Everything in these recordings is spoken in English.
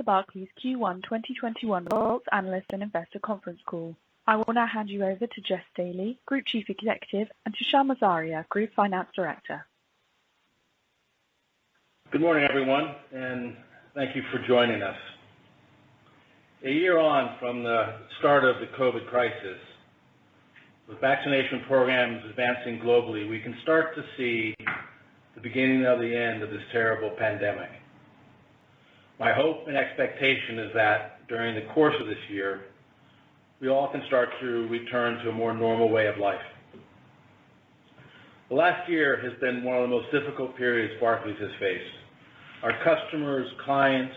To the Barclays Q1 2021 results analyst and investor conference call. I will now hand you over to Jes Staley, Group Chief Executive, and to Tushar Morzaria, Group Finance Director. Good morning, everyone. Thank you for joining us. A year on from the start of the COVID crisis, with vaccination programs advancing globally, we can start to see the beginning of the end of this terrible pandemic. My hope and expectation is that during the course of this year, we all can start to return to a more normal way of life. The last year has been one of the most difficult periods Barclays has faced. Our customers, clients,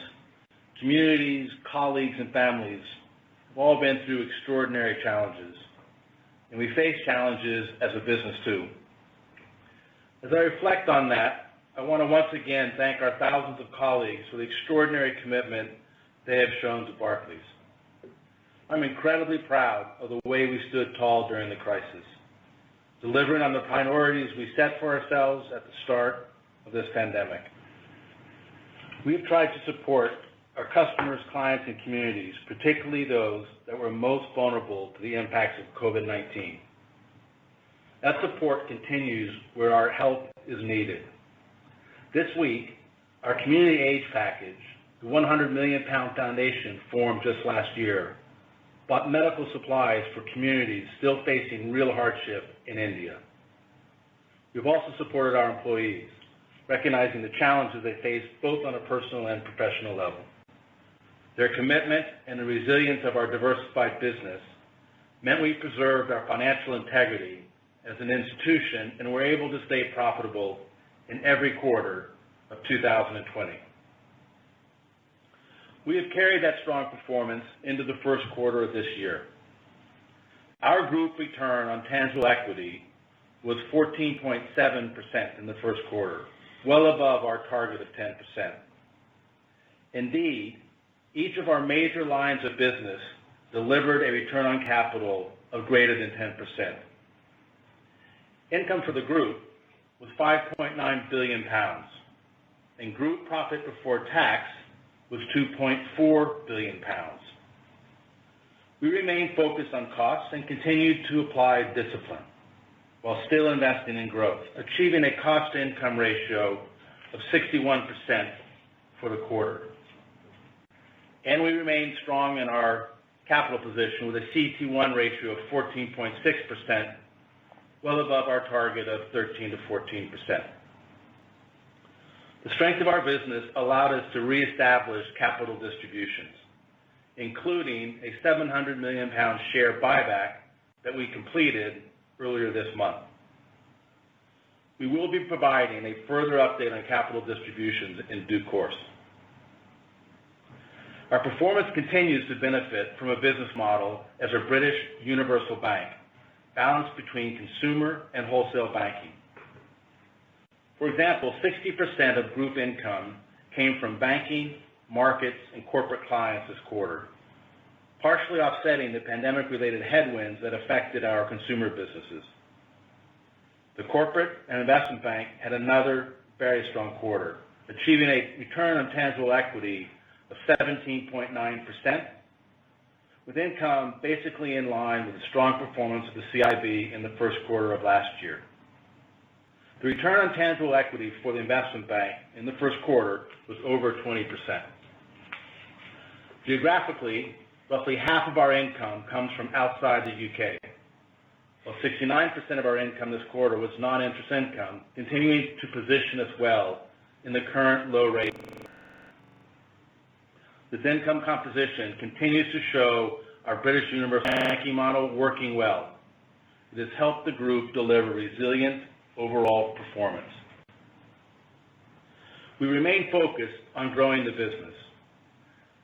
communities, colleagues, and families have all been through extraordinary challenges, and we face challenges as a business, too. As I reflect on that, I want to once again thank our thousands of colleagues for the extraordinary commitment they have shown to Barclays. I'm incredibly proud of the way we stood tall during the crisis, delivering on the priorities we set for ourselves at the start of this pandemic. We have tried to support our customers, clients, and communities, particularly those that were most vulnerable to the impacts of COVID-19. That support continues where our help is needed. This week, our community aid package, the 100 million pound foundation formed just last year, bought medical supplies for communities still facing real hardship in India. We've also supported our employees, recognizing the challenges they face, both on a personal and professional level. Their commitment and the resilience of our diversified business meant we preserved our financial integrity as an institution and were able to stay profitable in every quarter of 2020. We have carried that strong performance into the first quarter of this year. Our group return on tangible equity was 14.7% in the first quarter, well above our target of 10%. Indeed, each of our major lines of business delivered a return on capital of greater than 10%. Income for the group was 5.9 billion pounds, and group profit before tax was 2.4 billion pounds. We remain focused on costs and continued to apply discipline while still investing in growth, achieving a cost-income ratio of 61% for the quarter. We remain strong in our capital position with a CET1 ratio of 14.6%, well above our target of 13%-14%. The strength of our business allowed us to reestablish capital distributions, including a 700 million pound share buyback that we completed earlier this month. We will be providing a further update on capital distributions in due course. Our performance continues to benefit from a business model as a British universal bank, balanced between consumer and wholesale banking. For example, 60% of group income came from banking, markets, and corporate clients this quarter, partially offsetting the pandemic-related headwinds that affected our consumer businesses. The Corporate and Investment Bank had another very strong quarter, achieving a return on tangible equity of 17.9%, with income basically in line with the strong performance of the CIB in the first quarter of last year. The return on tangible equity for the Investment Bank in the first quarter was over 20%. Geographically, roughly half of our income comes from outside the U.K. While 69% of our income this quarter was non-interest income, continuing to position us well in the current low rate environment. This income composition continues to show our British universal banking model working well, and it has helped the group deliver resilient overall performance. We remain focused on growing the business.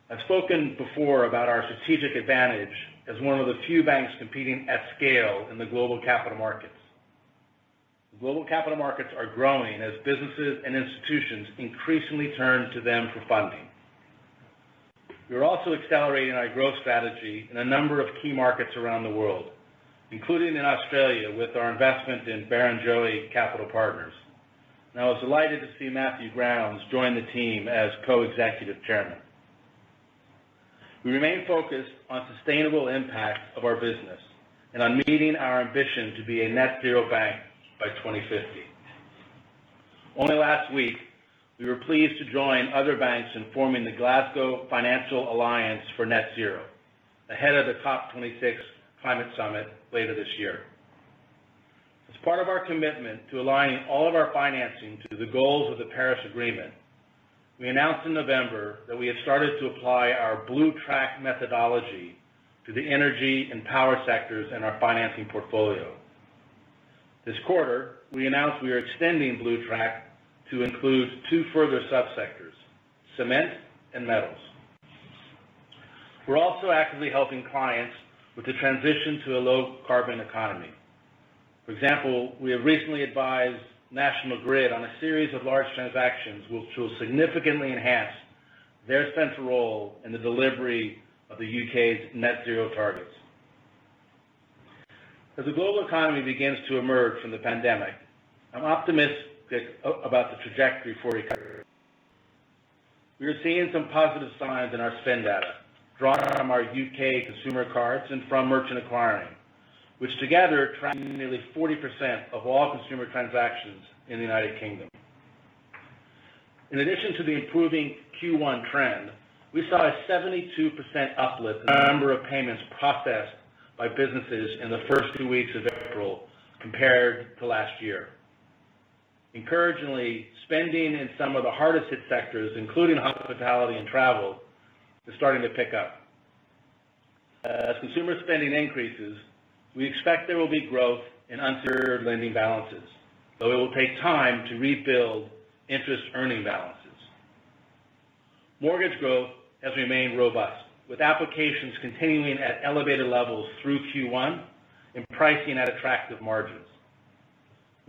I've spoken before about our strategic advantage as one of the few banks competing at scale in the global capital markets. The global capital markets are growing as businesses and institutions increasingly turn to them for funding. We are also accelerating our growth strategy in a number of key markets around the world, including in Australia with our investment in Barrenjoey Capital Partners. I was delighted to see Matthew Grounds join the team as Co-Executive Chairman. We remain focused on sustainable impact of our business and on meeting our ambition to be a net zero bank by 2050. Only last week, we were pleased to join other banks in forming the Glasgow Financial Alliance for Net Zero, ahead of the COP26 climate summit later this year. As part of our commitment to aligning all of our financing to the goals of the Paris Agreement, we announced in November that we have started to apply our BlueTrack methodology to the energy and power sectors in our financing portfolio. This quarter, we announced we are extending BlueTrack to include two further subsectors: cement and metals. We're also actively helping clients with the transition to a low carbon economy. For example, we have recently advised National Grid on a series of large transactions, which will significantly enhance their central role in the delivery of the U.K.'s net zero targets. As the global economy begins to emerge from the pandemic, I'm optimistic about the trajectory for recovery. We are seeing some positive signs in our spend data, drawn from our U.K. consumer cards and from merchant acquiring, which together track nearly 40% of all consumer transactions in the United Kingdom. In addition to the improving Q1 trend, we saw a 72% uplift in the number of payments processed by businesses in the first two weeks of April compared to last year. Encouragingly, spending in some of the hardest hit sectors, including hospitality and travel, is starting to pick up. As consumer spending increases, we expect there will be growth in unsecured lending balances, though it will take time to rebuild interest-earning balances. Mortgage growth has remained robust, with applications continuing at elevated levels through Q1 and pricing at attractive margins.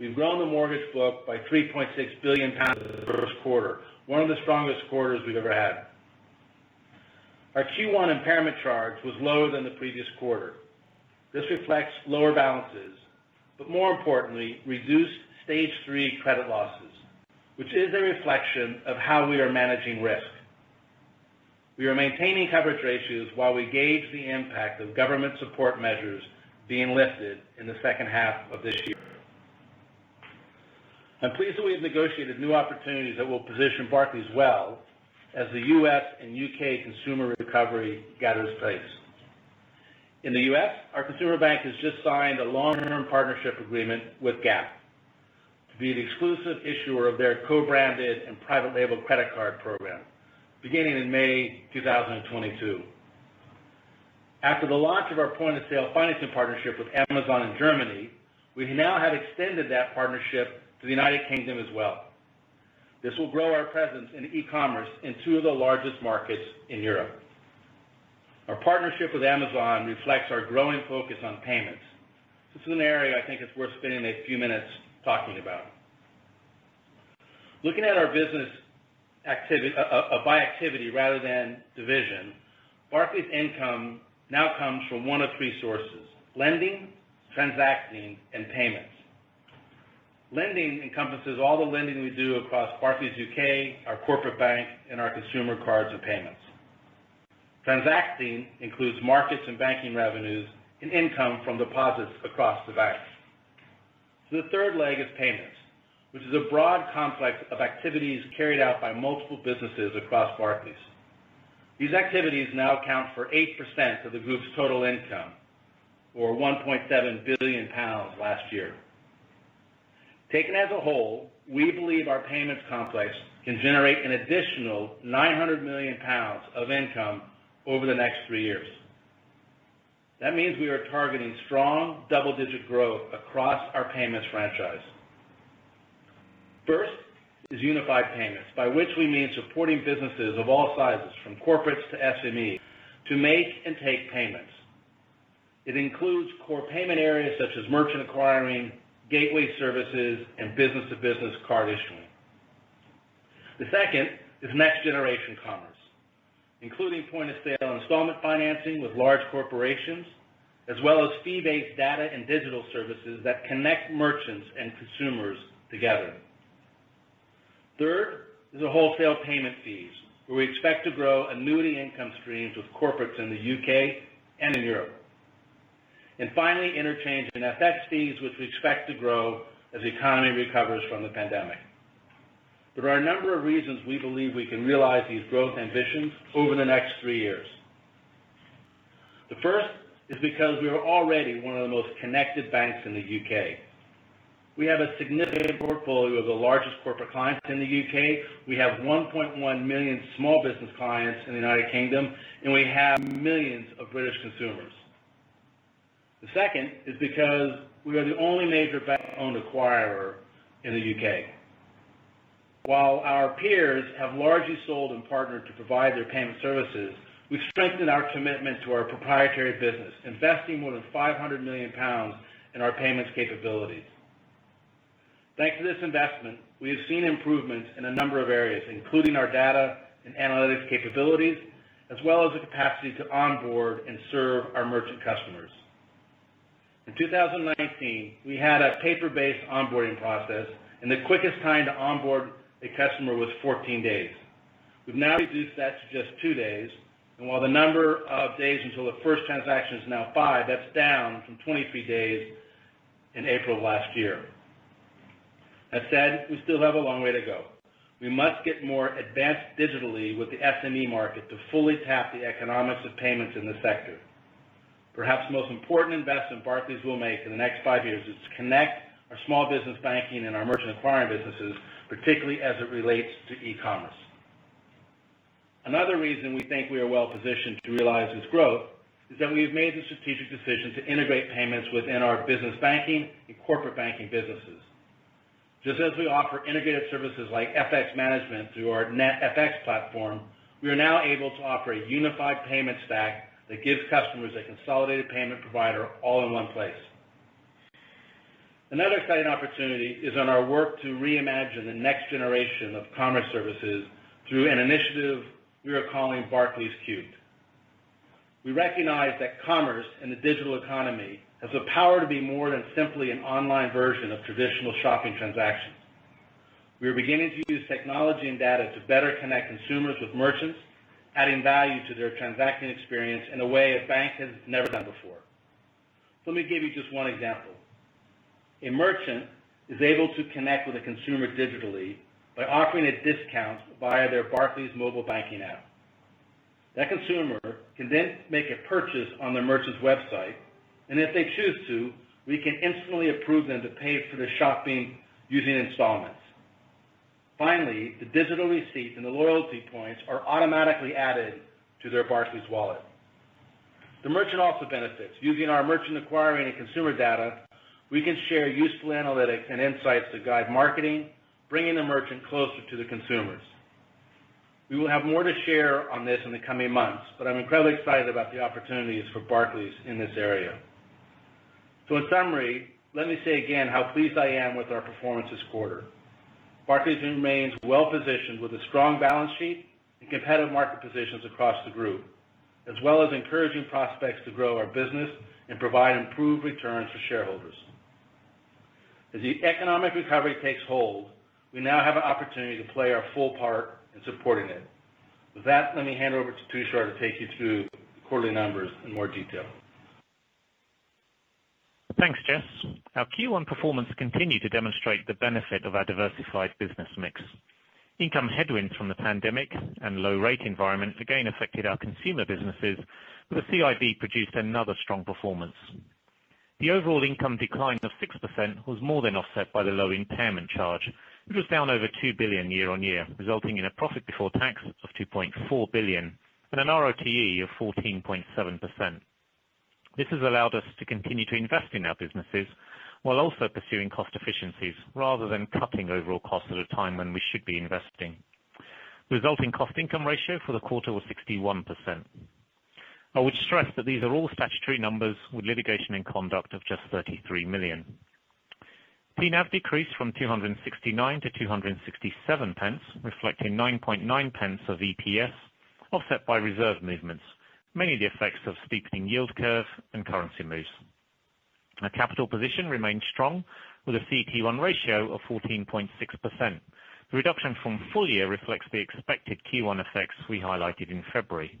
We've grown the mortgage book by £3.6 billion in the first quarter, one of the strongest quarters we've ever had. Our Q1 impairment charge was lower than the previous quarter. This reflects lower balances, but more importantly, reduced Stage 3 credit losses, which is a reflection of how we are managing risk. We are maintaining coverage ratios while we gauge the impact of government support measures being lifted in the second half of this year. I'm pleased that we have negotiated new opportunities that will position Barclays well as the U.S. and U.K. consumer recovery gathers pace. In the U.S., our consumer bank has just signed a long-term partnership agreement with Gap to be the exclusive issuer of their co-branded and private label credit card program beginning in May 2022. After the launch of our point-of-sale financing partnership with Amazon in Germany, we now have extended that partnership to the United Kingdom as well. This will grow our presence in e-commerce in two of the largest markets in Europe. Our partnership with Amazon reflects our growing focus on payments. This is an area I think is worth spending a few minutes talking about. Looking at our business by activity rather than division, Barclays income now comes from one of three sources, lending, transacting, and payments. Lending encompasses all the lending we do across Barclays UK, our corporate bank, and our consumer cards and payments. Transacting includes markets and banking revenues and income from deposits across the bank. The third leg is payments, which is a broad complex of activities carried out by multiple businesses across Barclays. These activities now account for 8% of the group's total income, or 1.7 billion pounds last year. Taken as a whole, we believe our payments complex can generate an additional 900 million pounds of income over the next three years. That means we are targeting strong double-digit growth across our payments franchise. First is unified payments, by which we mean supporting businesses of all sizes, from corporates to SMEs, to make and take payments. It includes core payment areas such as merchant acquiring, gateway services, and business-to-business card issuing. The second is next generation commerce, including point-of-sale installment financing with large corporations, as well as fee-based data and digital services that connect merchants and consumers together. Third is a wholesale payment fees, where we expect to grow annuity income streams with corporates in the U.K. and in Europe. Finally, interchange and FX fees, which we expect to grow as the economy recovers from the pandemic. There are a number of reasons we believe we can realize these growth ambitions over the next three years. The first is because we are already one of the most connected banks in the U.K. We have a significant portfolio of the largest corporate clients in the U.K., we have 1.1 million small business clients in the United Kingdom, and we have millions of British consumers. The second is because we are the only major bank-owned acquirer in the U.K. While our peers have largely sold and partnered to provide their payment services, we've strengthened our commitment to our proprietary business, investing more than 500 million pounds in our payments capabilities. Thanks to this investment, we have seen improvements in a number of areas, including our data and analytics capabilities, as well as the capacity to onboard and serve our merchant customers. In 2019, we had a paper-based onboarding process, and the quickest time to onboard a customer was 14 days. We've now reduced that to just two days, and while the number of days until the first transaction is now five, that's down from 23 days in April of last year. That said, we still have a long way to go. We must get more advanced digitally with the SME market to fully tap the economics of payments in the sector. Perhaps the most important investment Barclays will make in the next five years is to connect our small business banking and our merchant acquiring businesses, particularly as it relates to e-commerce. Another reason we think we are well positioned to realize this growth is that we've made the strategic decision to integrate payments within our business banking and corporate banking businesses. Just as we offer integrated services like FX management through our Net FX platform, we are now able to offer a unified payment stack that gives customers a consolidated payment provider all in one place. Another exciting opportunity is on our work to reimagine the next generation of commerce services through an initiative we are calling Barclays Cubed. We recognize that commerce in the digital economy has the power to be more than simply an online version of traditional shopping transactions. We are beginning to use technology and data to better connect consumers with merchants, adding value to their transaction experience in a way a bank has never done before. Let me give you just one example. A merchant is able to connect with a consumer digitally by offering a discount via their Barclays mobile banking app. That consumer can then make a purchase on the merchant's website, and if they choose to, we can instantly approve them to pay for their shopping using installments. Finally, the digital receipt and the loyalty points are automatically added to their Barclays wallet. The merchant also benefits. Using our merchant acquiring and consumer data, we can share useful analytics and insights to guide marketing, bringing the merchant closer to the consumers. We will have more to share on this in the coming months, but I'm incredibly excited about the opportunities for Barclays in this area. In summary, let me say again how pleased I am with our performance this quarter. Barclays remains well-positioned with a strong balance sheet and competitive market positions across the group, as well as encouraging prospects to grow our business and provide improved returns for shareholders. As the economic recovery takes hold, we now have an opportunity to play our full part in supporting it. With that, let me hand over to Tushar to take you through the quarterly numbers in more detail. Thanks, Jes. Our Q1 performance continued to demonstrate the benefit of our diversified business mix. Income headwinds from the pandemic and low-rate environment again affected our consumer businesses, but the CIB produced another strong performance. The overall income decline of 6% was more than offset by the low impairment charge, which was down over 2 billion year-on-year, resulting in a profit before tax of 2.4 billion and an ROTE of 14.7%. This has allowed us to continue to invest in our businesses while also pursuing cost efficiencies, rather than cutting overall costs at a time when we should be investing. Resulting cost income ratio for the quarter was 61%. I would stress that these are all statutory numbers with litigation and conduct of just 33 million. TNAV decreased from 2.69 to 2.67, reflecting 0.099 of EPS offset by reserve movements, mainly the effects of steepening yield curve and currency moves. Our capital position remains strong with a CET1 ratio of 14.6%. The reduction from full year reflects the expected Q1 effects we highlighted in February.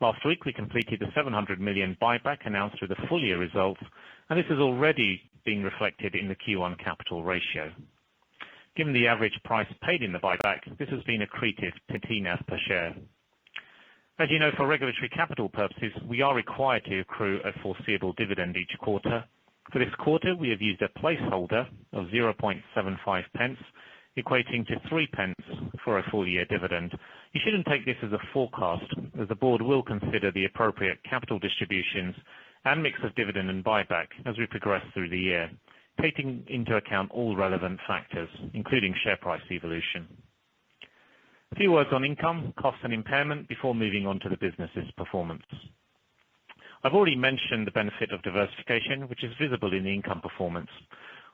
Last week, we completed the 700 million buyback announced with the full-year results, and this is already being reflected in the Q1 capital ratio. Given the average price paid in the buyback, this has been accretive to TNAV per share. As you know, for regulatory capital purposes, we are required to accrue a foreseeable dividend each quarter. For this quarter, we have used a placeholder of 0.0075, equating to 0.03 for a full-year dividend. You shouldn't take this as a forecast, as the board will consider the appropriate capital distributions and mix of dividend and buyback as we progress through the year, taking into account all relevant factors, including share price evolution. A few words on income, costs, and impairment before moving on to the business's performance. I've already mentioned the benefit of diversification, which is visible in the income performance.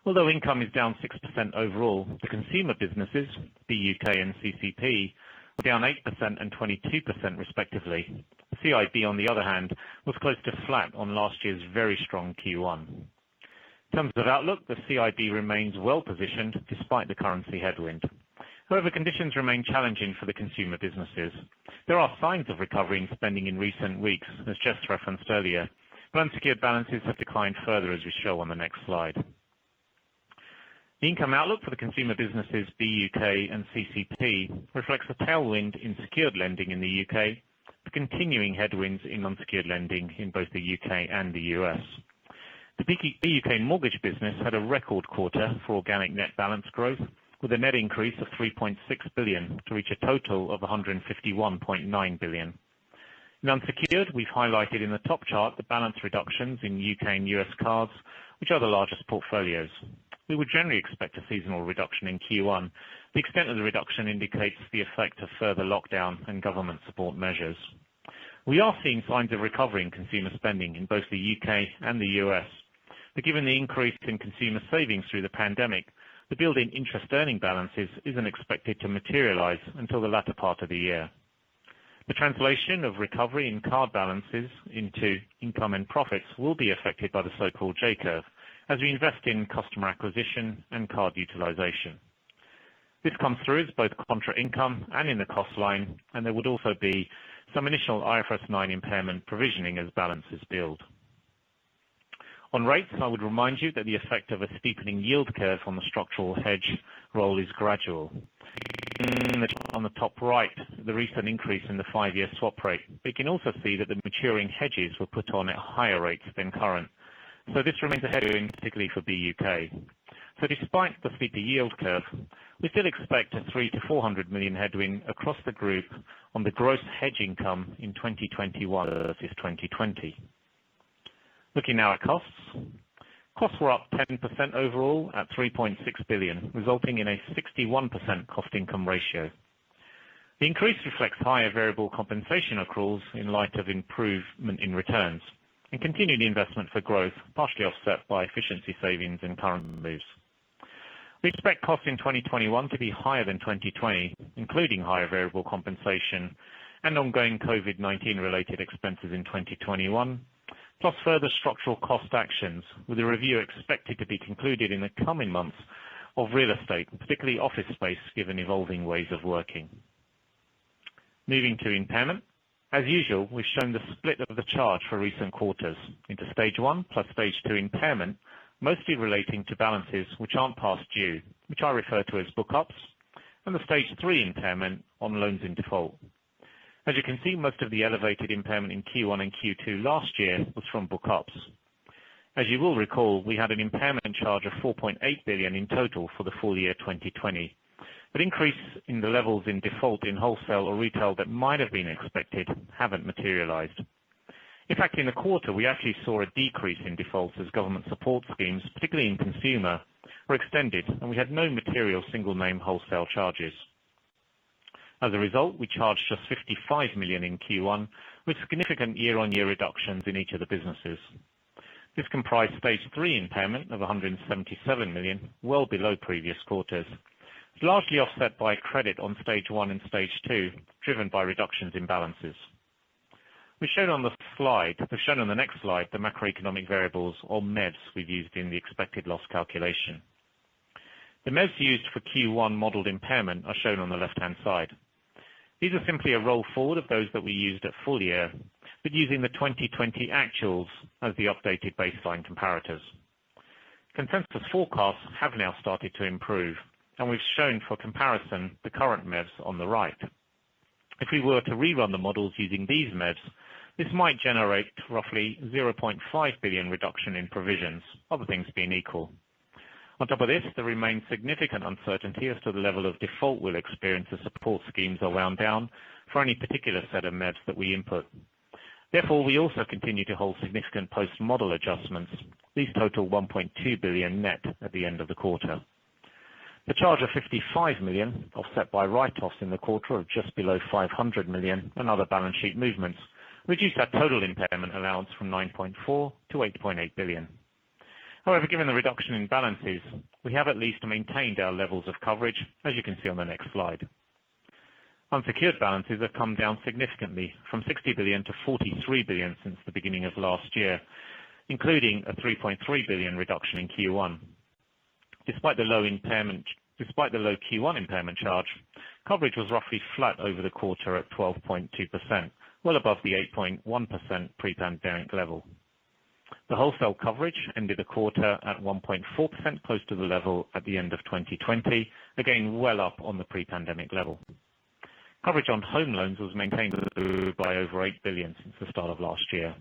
Although income is down 6% overall, the consumer businesses, BUK and CCP, were down 8% and 22% respectively. CIB, on the other hand, was close to flat on last year's very strong Q1. In terms of outlook, the CIB remains well-positioned despite the currency headwind. However, conditions remain challenging for the consumer businesses. There are signs of recovery and spending in recent weeks, as Jes referenced earlier, but unsecured balances have declined further, as we show on the next slide. The income outlook for the consumer businesses, BUK and CCP, reflects the tailwind in secured lending in the U.K., the continuing headwinds in unsecured lending in both the U.K. and the U.S. The BUK mortgage business had a record quarter for organic net balance growth with a net increase of 3.6 billion to reach a total of 151.9 billion. In unsecured, we've highlighted in the top chart the balance reductions in U.K. and U.S. cards, which are the largest portfolios. We would generally expect a seasonal reduction in Q1. The extent of the reduction indicates the effect of further lockdown and government support measures. We are seeing signs of recovery in consumer spending in both the U.K. and the U.S. Given the increase in consumer savings through the pandemic, the build in interest earning balances isn't expected to materialize until the latter part of the year. The translation of recovery in card balances into income and profits will be affected by the so-called J-curve, as we invest in customer acquisition and card utilization. This comes through as both contra income and in the cost line, and there would also be some initial IFRS 9 impairment provisioning as balances build. On rates, I would remind you that the effect of a steepening yield curve on the structural hedge roll is gradual. On the top right, the recent increase in the five-year swap rate, we can also see that the maturing hedges were put on at higher rates than current. This remains a headwind, particularly for BUK. Despite the steeper yield curve, we still expect a 300 million-400 million headwind across the group on the gross hedge income in 2021 versus 2020. Looking now at costs. Costs were up 10% overall at 3.6 billion, resulting in a 61% cost-income ratio. The increase reflects higher variable compensation accruals in light of improvement in returns and continued investment for growth, partially offset by efficiency savings and currency moves. We expect costs in 2021 to be higher than 2020, including higher variable compensation and ongoing COVID-19 related expenses in 2021, plus further structural cost actions, with a review expected to be concluded in the coming months of real estate, particularly office space, given evolving ways of working. Moving to impairment. As usual, we've shown the split of the charge for recent quarters into Stage 1 plus Stage 2 impairment, mostly relating to balances which aren't past due, which I refer to as book ups, and the Stage 3 impairment on loans in default. As you can see, most of the elevated impairment in Q1 and Q2 last year was from book ups. As you will recall, we had an impairment charge of 4.8 billion in total for the full year 2020. Increase in the levels of default in wholesale or retail that might have been expected, haven't materialized. In fact, in the quarter, we actually saw a decrease in defaults as government support schemes, particularly in consumer, were extended, and we had no material single name wholesale charges. As a result, we charged just 55 million in Q1, with significant year-on-year reductions in each of the businesses. This comprised Stage 3 impairment of 177 million, well below previous quarters. It's largely offset by credit on Stage 1 and Stage 2, driven by reductions in balances. We've shown on the next slide the macroeconomic variables or MEVs we've used in the expected loss calculation. The MEVs used for Q1 modeled impairment are shown on the left-hand side. These are simply a roll forward of those that we used at full year, but using the 2020 actuals as the updated baseline comparators. Consensus forecasts have now started to improve, and we've shown for comparison the current MEVs on the right. If we were to rerun the models using these MEVs, this might generate roughly 0.5 billion reduction in provisions, other things being equal. On top of this, there remains significant uncertainty as to the level of default we'll experience as support schemes are wound down for any particular set of MEVs that we input. Therefore, we also continue to hold significant post-model adjustments. These total 1.2 billion net at the end of the quarter. The charge of 55 million, offset by write-offs in the quarter of just below 500 million and other balance sheet movements, reduced our total impairment allowance from 9.4 billion to 8.8 billion. Given the reduction in balances, we have at least maintained our levels of coverage, as you can see on the next slide. Unsecured balances have come down significantly from 60 billion to 43 billion since the beginning of last year, including a 3.3 billion reduction in Q1. Despite the low Q1 impairment charge, coverage was roughly flat over the quarter at 12.2%, well above the 8.1% pre-pandemic level. The wholesale coverage ended the quarter at 1.4%, close to the level at the end of 2020. Well up on the pre-pandemic level. Coverage on home loans was maintained by over 8 billion since the start of last year.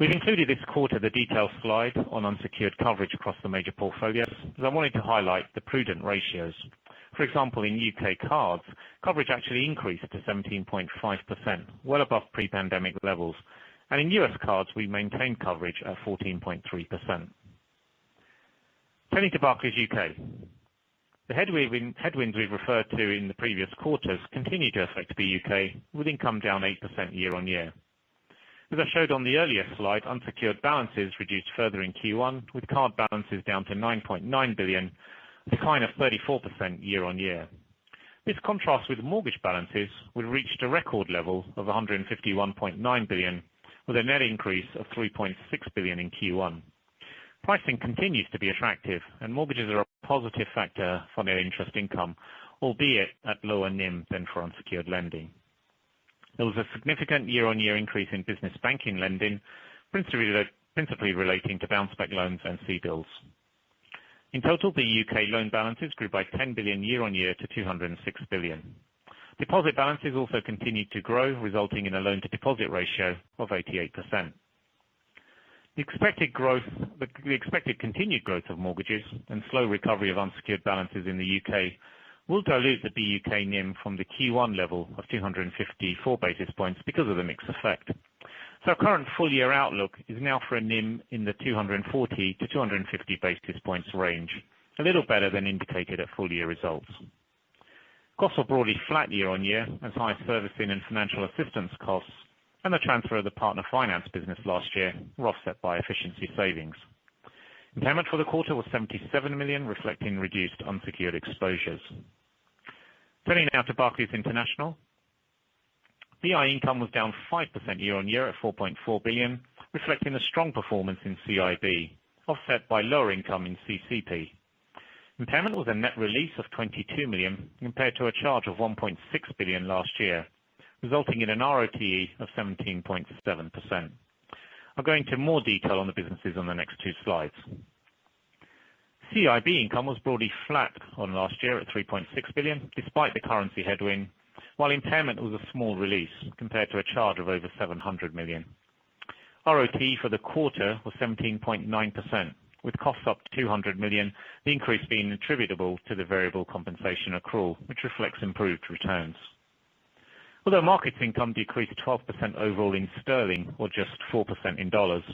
We've included this quarter the detail slide on unsecured coverage across the major portfolios, as I wanted to highlight the prudent ratios. For example, in U.K. cards, coverage actually increased to 17.5%, well above pre-pandemic levels. In U.S. cards, we've maintained coverage at 14.3%. Turning to Barclays U.K. The headwinds we've referred to in the previous quarters continue to affect the U.K., with income down 8% year-on-year. As I showed on the earlier slide, unsecured balances reduced further in Q1, with card balances down to 9.9 billion, a decline of 34% year-on-year. This contrasts with mortgage balances. We've reached a record level of 151.9 billion, with a net increase of 3.6 billion in Q1. Pricing continues to be attractive and mortgages are a positive factor for net interest income, albeit at lower NIM than for unsecured lending. There was a significant year-on-year increase in business banking lending, principally relating to Bounce Back loans and CBILS. In total, the U.K. loan balances grew by 10 billion year-on-year to 206 billion. Deposit balances also continued to grow, resulting in a loan-to-deposit ratio of 88%. The expected continued growth of mortgages and slow recovery of unsecured balances in the U.K. will dilute the BUK NIM from the Q1 level of 254 basis points because of the mix effect. Our current full year outlook is now for a NIM in the 240-250 basis points range, a little better than indicated at full year results. Costs are broadly flat year-on-year as high servicing and financial assistance costs, and the transfer of the partner finance business last year were offset by efficiency savings. Impairment for the quarter was 77 million, reflecting reduced unsecured exposures. Turning now to Barclays International. BI income was down 5% year-on-year at 4.4 billion, reflecting a strong performance in CIB, offset by lower income in CCP. Impairment was a net release of 22 million compared to a charge of 1.6 billion last year, resulting in an ROTE of 17.7%. I'll go into more detail on the businesses on the next two slides. CIB income was broadly flat on last year at 3.6 billion, despite the currency headwind, while impairment was a small release compared to a charge of over 700 million. ROTE for the quarter was 17.9%, with costs up 200 million, the increase being attributable to the variable compensation accrual, which reflects improved returns. Markets income decreased 12% overall in sterling or just 4% in dollars.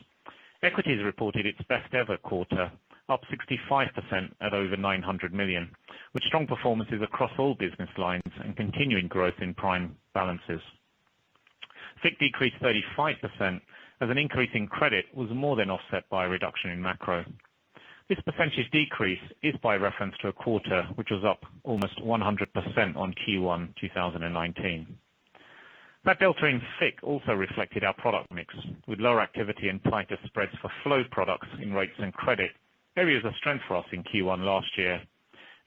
Equities reported its best ever quarter, up 65% at over 900 million, with strong performances across all business lines and continuing growth in prime balances. FICC decreased 35% as an increase in credit was more than offset by a reduction in macro. This percentage decrease is by reference to a quarter, which was up almost 100% on Q1 2019. That delta in FICC also reflected our product mix, with lower activity and tighter spreads for flow products in rates and credit, areas of strength for us in Q1 last year.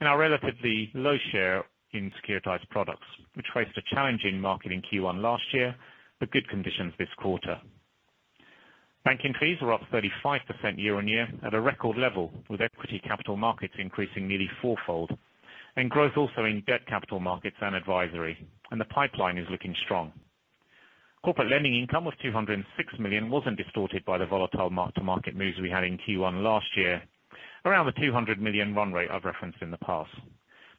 Our relatively low share in securitized products, which faced a challenging market in Q1 last year, but good conditions this quarter. Bank fees were up 35% year-on-year, at a record level, with equity capital markets increasing nearly four-fold. Growth also in debt capital markets and advisory. The pipeline is looking strong. Corporate lending income was 206 million, wasn't distorted by the volatile mark-to-market moves we had in Q1 last year. Around the 200 million run rate I've referenced in the past.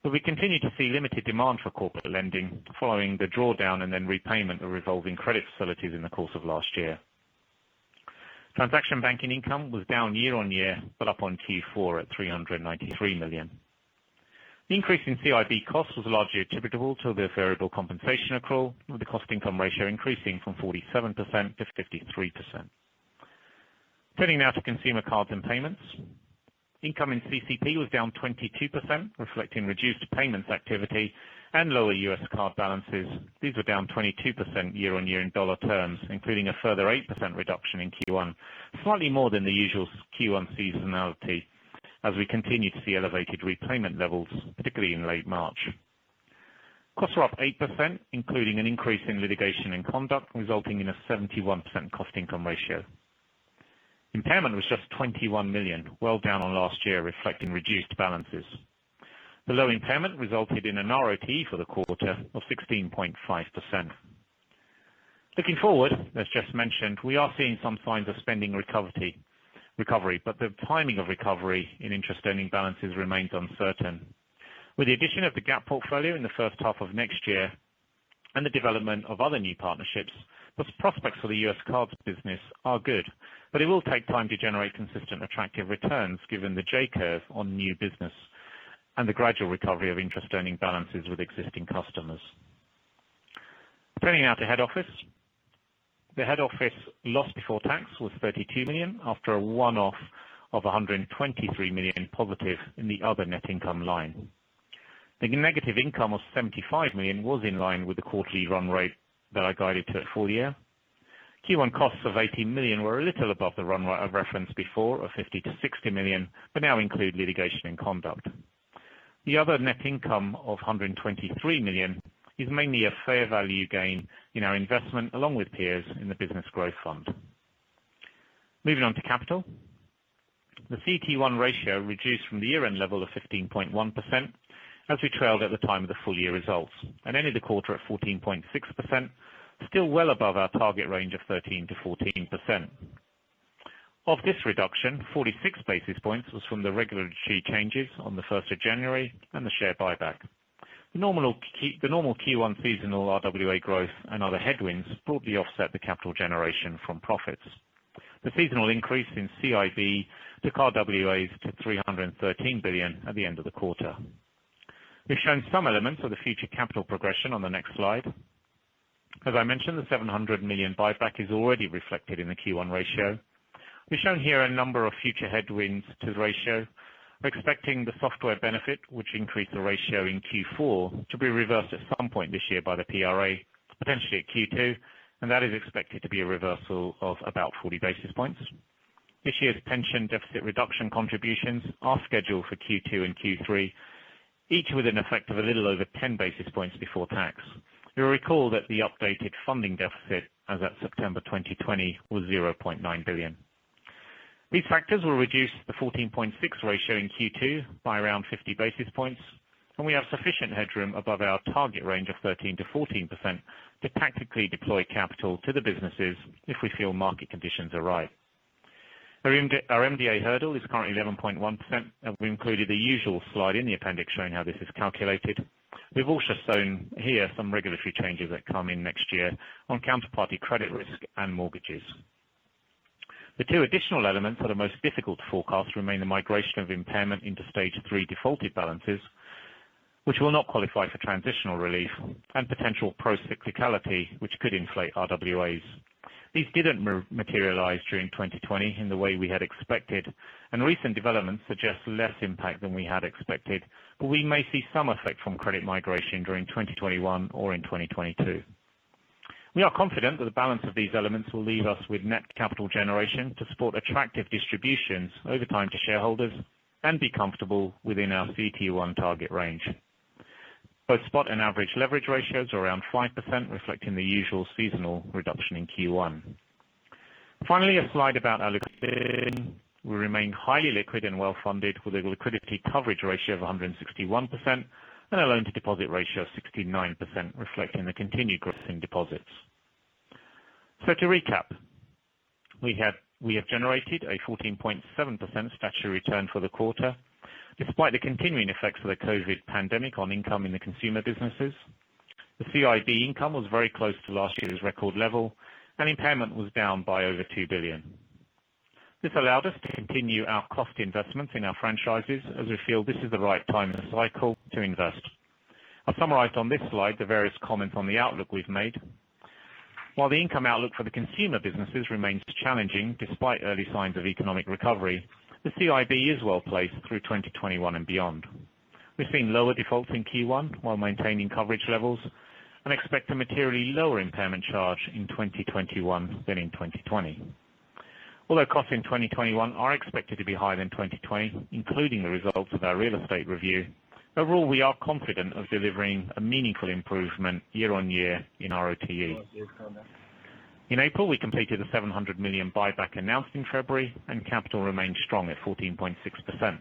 We continue to see limited demand for corporate lending following the drawdown and then repayment of revolving credit facilities in the course of last year. Transaction banking income was down year-on-year, but up on Q4 at 393 million. The increase in CIB costs was largely attributable to the variable compensation accrual, with the cost income ratio increasing from 47%-53%. Turning now to consumer cards and payments. Income in CCP was down 22%, reflecting reduced payments activity and lower U.S. card balances. These were down 22% year-on-year in U.S. dollar terms, including a further 8% reduction in Q1. Slightly more than the usual Q1 seasonality, as we continue to see elevated repayment levels, particularly in late March. Costs are up 8%, including an increase in litigation and conduct, resulting in a 71% cost income ratio. Impairment was just 21 million, well down on last year, reflecting reduced balances. The low impairment resulted in an ROTE for the quarter of 16.5%. Looking forward, as just mentioned, we are seeing some signs of spending recovery. The timing of recovery in interest earning balances remains uncertain. With the addition of the Gap portfolio in the first half of next year and the development of other new partnerships, plus prospects for the U.S. cards business are good. It will take time to generate consistent, attractive returns, given the J curve on new business and the gradual recovery of interest earning balances with existing customers. Turning now to head office. The head office loss before tax was 32 million, after a one-off of 123 million positive in the other net income line. The negative income of 75 million was in line with the quarterly run rate that I guided to at full year. Q1 costs of 18 million were a little above the run rate I've referenced before of 50 million-60 million but now include litigation and conduct. The other net income of 123 million is mainly a fair value gain in our investment along with peers in the Business Growth Fund. Moving on to capital. The CET1 ratio reduced from the year-end level of 15.1% as we trailed at the time of the full year results, and ended the quarter at 14.6%, still well above our target range of 13%-14%. Of this reduction, 46 basis points was from the regulatory changes on the 1st of January and the share buyback. The normal Q1 seasonal RWA growth and other headwinds broadly offset the capital generation from profits. The seasonal increase in CIB, the RWAs to 313 billion at the end of the quarter. We've shown some elements of the future capital progression on the next slide. As I mentioned, the 700 million buyback is already reflected in the Q1 ratio. We've shown here a number of future headwinds to the ratio. We're expecting the software benefit, which increased the ratio in Q4, to be reversed at some point this year by the PRA, potentially at Q2, and that is expected to be a reversal of about 40 basis points. This year's pension deficit reduction contributions are scheduled for Q2 and Q3, each with an effect of a little over 10 basis points before tax. You'll recall that the updated funding deficit as at September 2020 was 0.9 billion. These factors will reduce the 14.6 ratio in Q2 by around 50 basis points, and we have sufficient headroom above our target range of 13%-14% to tactically deploy capital to the businesses if we feel market conditions are right. Our MDA hurdle is currently 11.1%, and we included the usual slide in the appendix showing how this is calculated. We've also shown here some regulatory changes that come in next year on counterparty credit risk and mortgages. The two additional elements that are most difficult to forecast remain the migration of impairment into Stage 3 defaulted balances, which will not qualify for transitional relief and potential pro-cyclicality, which could inflate RWAs. These didn't materialize during 2020 in the way we had expected, and recent developments suggest less impact than we had expected, but we may see some effect from credit migration during 2021 or in 2022. We are confident that the balance of these elements will leave us with net capital generation to support attractive distributions over time to shareholders and be comfortable within our CET1 target range. Both spot and average leverage ratios are around 5%, reflecting the usual seasonal reduction in Q1. A slide about our liquidity. We remain highly liquid and well-funded, with a liquidity coverage ratio of 161% and a loan to deposit ratio of 69%, reflecting the continued growth in deposits. To recap, we have generated a 14.7% statutory return for the quarter. Despite the continuing effects of the COVID-19 pandemic on income in the consumer businesses, the CIB income was very close to last year's record level, and impairment was down by over 2 billion. This allowed us to continue our cost investments in our franchises, as we feel this is the right time in the cycle to invest. I've summarized on this slide the various comments on the outlook we've made. While the income outlook for the consumer businesses remains challenging despite early signs of economic recovery, the CIB is well-placed through 2021 and beyond. We've seen lower defaults in Q1 while maintaining coverage levels and expect a materially lower impairment charge in 2021 than in 2020. Although costs in 2021 are expected to be higher than 2020, including the results of our real estate review, overall, we are confident of delivering a meaningful improvement year-on-year in ROTE. In April, we completed a 700 million buyback announced in February, and capital remains strong at 14.6%.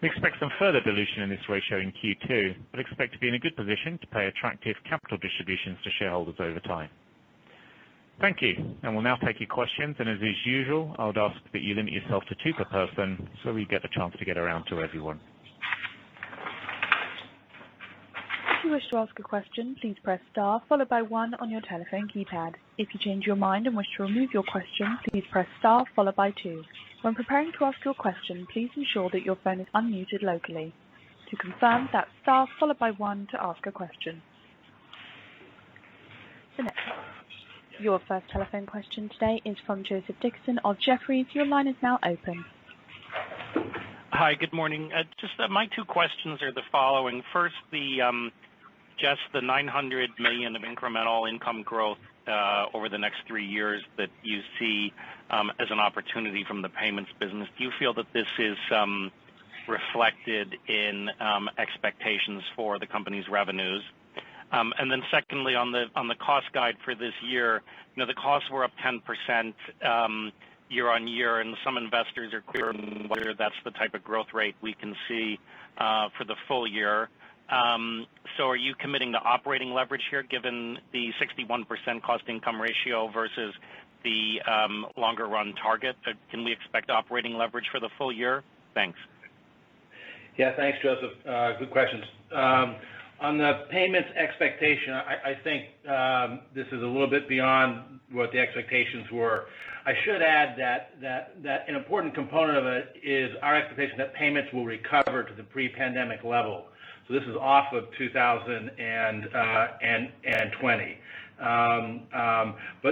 We expect some further dilution in this ratio in Q2 but expect to be in a good position to pay attractive capital distributions to shareholders over time. Thank you. We'll now take your questions, and as is usual, I would ask that you limit yourself to two per person so we get a chance to get around to everyone. Your first telephone question today is from Joseph Dickerson of Jefferies. Your line is now open. Hi, good morning. My two questions are the following. First, Jes, the 900 million of incremental income growth over the next three years that you see as an opportunity from the payments business. Do you feel that this is reflected in expectations for the company's revenues? Secondly, on the cost guide for this year. The costs were up 10% year-on-year, and some investors are unclear whether that's the type of growth rate we can see for the full year. Are you committing to operating leverage here given the 61% cost income ratio versus the longer run target? Can we expect operating leverage for the full year? Thanks. Thanks, Joseph. Good questions. On the payment's expectation, I think this is a little bit beyond what the expectations were. I should add that an important component of it is our expectation that payments will recover to the pre-pandemic level. This is off of 2020.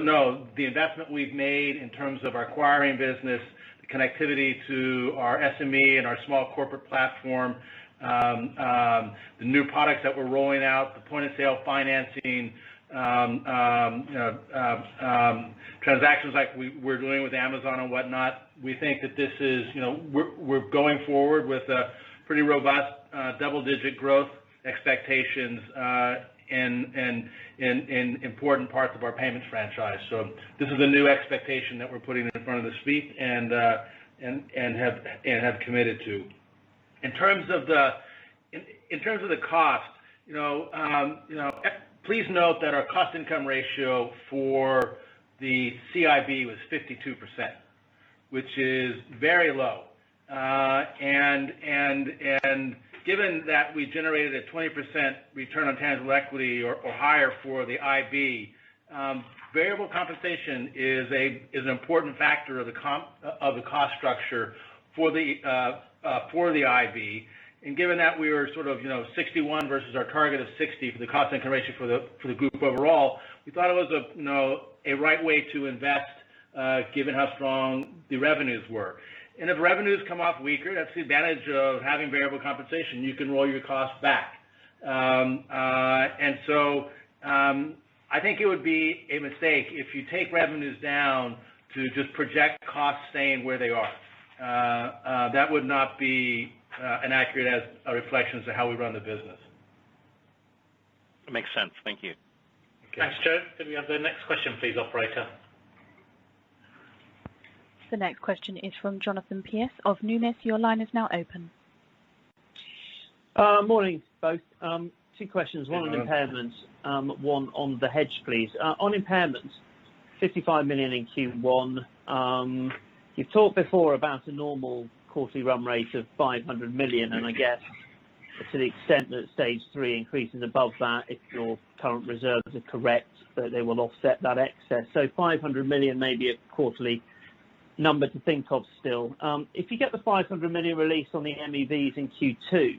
No, the investment we've made in terms of our acquiring business, the connectivity to our SME and our small corporate platform, the new products that we're rolling out, the point-of-sale financing, transactions like we're doing with Amazon and whatnot, we're going forward with pretty robust double-digit growth expectations in important parts of our payments franchise. This is a new expectation that we're putting in front of the Street and have committed to. In terms of the cost, please note that our cost income ratio for the CIB was 52%, which is very low. Given that we generated a 20% return on tangible equity or higher for the IB, variable compensation is an important factor of the cost structure for the IB. Given that we were sort of 61 versus our target of 60 for the cost income ratio for the group overall, we thought it was a right way to invest given how strong the revenues were. If revenues come off weaker, that's the advantage of having variable compensation. You can roll your costs back. I think it would be a mistake if you take revenues down to just project costs staying where they are. That would not be an accurate reflection as to how we run the business. That makes sense. Thank you. Okay. Can we have the next question please, operator? The next question is from Jonathan Pierce of Numis. Your line is now open. Morning, both. Two questions. Hello. One on impairments, one on the hedge, please. On impairment, 55 million in Q1. You've talked before about a normal quarterly run rate of 500 million. I guess to the extent that Stage 3 increases above that, if your current reserves are correct, that they will offset that excess. 500 million may be a quarterly number to think of still. If you get the 500 million release on the MEVs in Q2,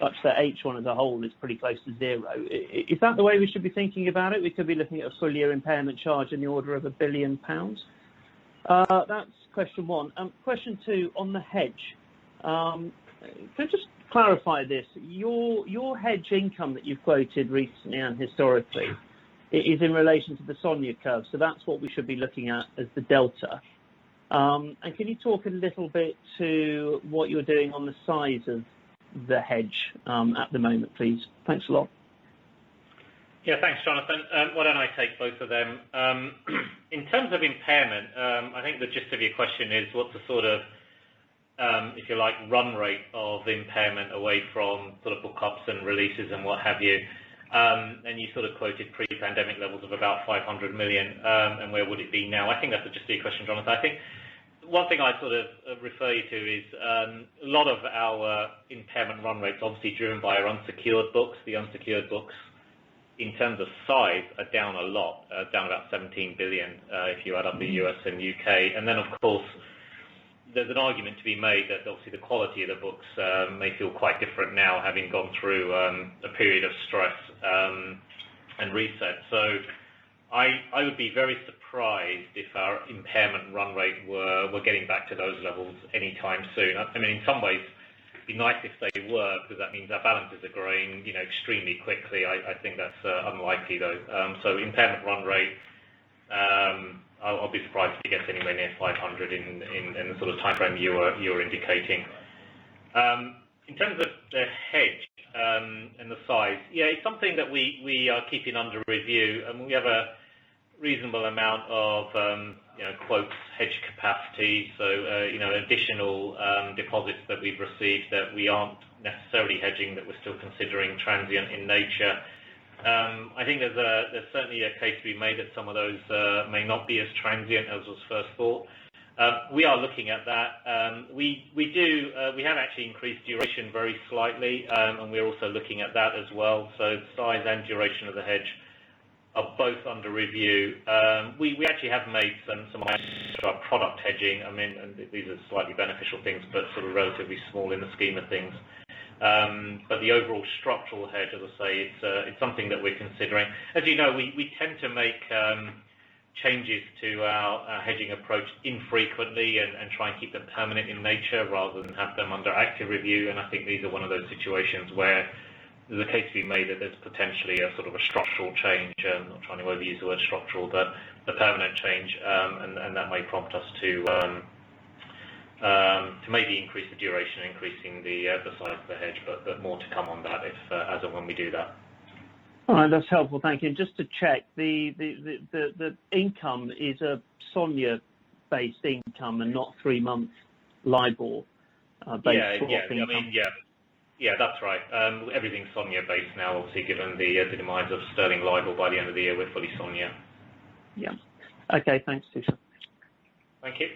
such that H1 as a whole is pretty close to zero, is that the way we should be thinking about it? We could be looking at a full year impairment charge in the order of 1 billion pounds? That's question one. Question two, on the hedge. Can you just clarify this? Your hedge income that you've quoted recently and historically is in relation to the SONIA curve. That's what we should be looking at as the delta. Can you talk a little bit to what you're doing on the size of the hedge at the moment, please? Thanks a lot. Yeah, thanks, Jonathan. Why don't I take both of them? In terms of impairment, I think the gist of your question is what's the sort of, if you like, run rate of impairment away from book ups and releases and what have you, and you quoted pre-pandemic levels of about 500 million. Where would it be now? I think that would just be a question, Jonathan. I think one thing I'd refer you to is a lot of our impairment run rate's obviously driven by our unsecured books. The unsecured books, in terms of size, are down a lot, down about 17 billion, if you add up the U.S. and U.K. Of course, there's an argument to be made that obviously the quality of the books may feel quite different now having gone through a period of stress and reset. I would be very surprised if our impairment run rate were getting back to those levels anytime soon. In some ways, it'd be nice if they were, because that means our balances are growing extremely quickly. I think that's unlikely, though. Impairment run rate, I'll be surprised if it gets anywhere near 500 in the timeframe you're indicating. In terms of the hedge and the size. Yeah, it's something that we are keeping under review. We have a reasonable amount of hedge capacity. Additional deposits that we've received that we aren't necessarily hedging, that we're still considering transient in nature. I think there's certainly a case to be made that some of those may not be as transient as was first thought. We are looking at that. We have actually increased duration very slightly. We're also looking at that as well. The size and duration of the hedge are both under review. We actually have made some product hedging. These are slightly beneficial things, but relatively small in the scheme of things. The overall structural hedge, as I say, it's something that we're considering. As you know, we tend to make changes to our hedging approach infrequently and try and keep them permanent in nature rather than have them under active review. I think these are one of those situations where there's a case to be made that there's potentially a structural change. I'm not trying to overuse the word structural, but a permanent change, and that may prompt us to maybe increase the duration, increasing the size of the hedge, but more to come on that as and when we do that. All right. That's helpful. Thank you. Just to check, the income is a SONIA based income and not three-month LIBOR based for income? Yeah. That's right. Everything's SONIA based now. Obviously, given the demise of sterling LIBOR by the end of the year, we're fully SONIA. Yeah. Okay, thanks. Cheers. Thank you.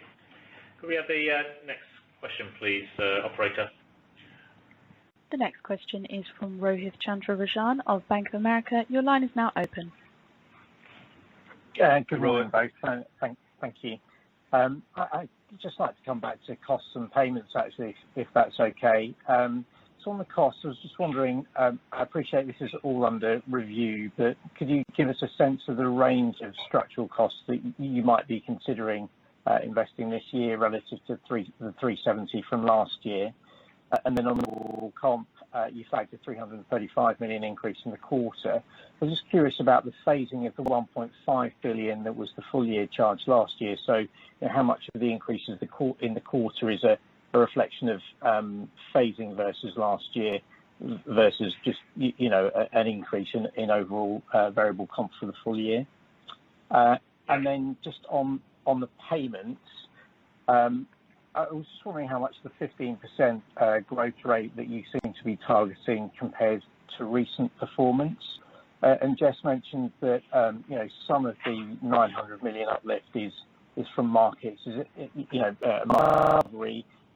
Could we have the next question please, operator? The next question is from Rohith Chandra-Rajan of Bank of America. Your line is now open. Good morning, both. Thank you. I'd just like to come back to costs and payments, actually, if that's okay. On the costs, I was just wondering, I appreciate this is all under review, but could you give us a sense of the range of structural costs that you might be considering investing this year relative to the 370 from last year? On the overall comp, you flagged a 335 million increase in the quarter. I was just curious about the phasing of the 1.5 billion that was the full year charge last year. How much of the increase in the quarter is a reflection of phasing versus last year, versus just an increase in overall variable comp for the full year? Just on the payments, I was just wondering how much the 15% growth rate that you seem to be targeting compares to recent performance. Jes mentioned that some of the 900 million uplift is from markets.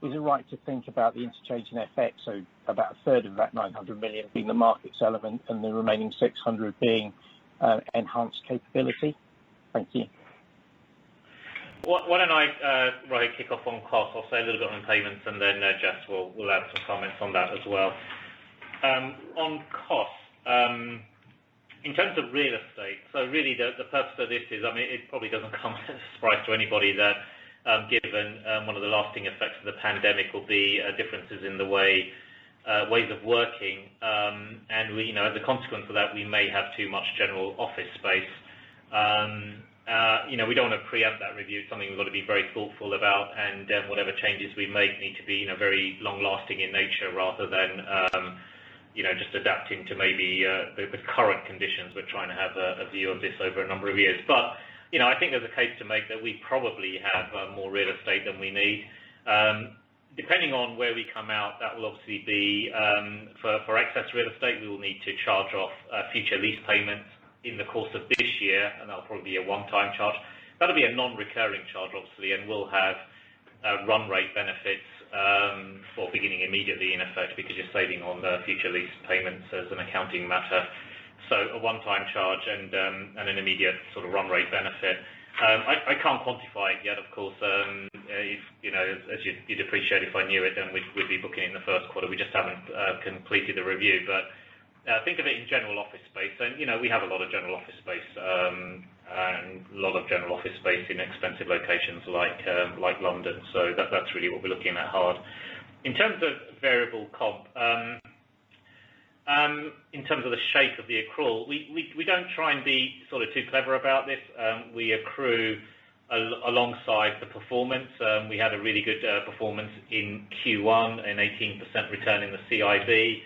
Is it right to think about the interchanging effect, so about a third of that 900 million being the market relevant and the remaining 600 million being enhanced capability? Thank you. Why don't I, Rohith, kick off on cost? I'll say a little bit on payments and then Jes will add some comments on that as well. On cost. In terms of real estate, so really the purpose for this is, it probably doesn't come as a surprise to anybody that given one of the lasting effects of the pandemic will be differences in the ways of working. As a consequence of that, we may have too much general office space. We don't want to preempt that review. It's something we've got to be very thoughtful about. Whatever changes we make need to be very long lasting in nature rather than just adapting to maybe the current conditions. We're trying to have a view of this over a number of years. I think there's a case to make that we probably have more real estate than we need. Depending on where we come out, that will obviously be for excess real estate, we will need to charge off future lease payments in the course of this year, and that'll probably be a one-time charge. That'll be a non-recurring charge, obviously, and we'll have run rate benefits for beginning immediately in effect because you're saving on future lease payments as an accounting matter. A one-time charge and an immediate run rate benefit. I can't quantify it yet, of course. As you'd appreciate if I knew it, then we'd be booking in the first quarter. We just haven't completed the review. Think of it in general office space. We have a lot of general office space, and a lot of general office space in expensive locations like London. That's really what we're looking at hard. In terms of variable comp. In terms of the shape of the accrual, we don't try and be too clever about this. We accrue alongside the performance. We had a really good performance in Q1, an 18% return in the CIB,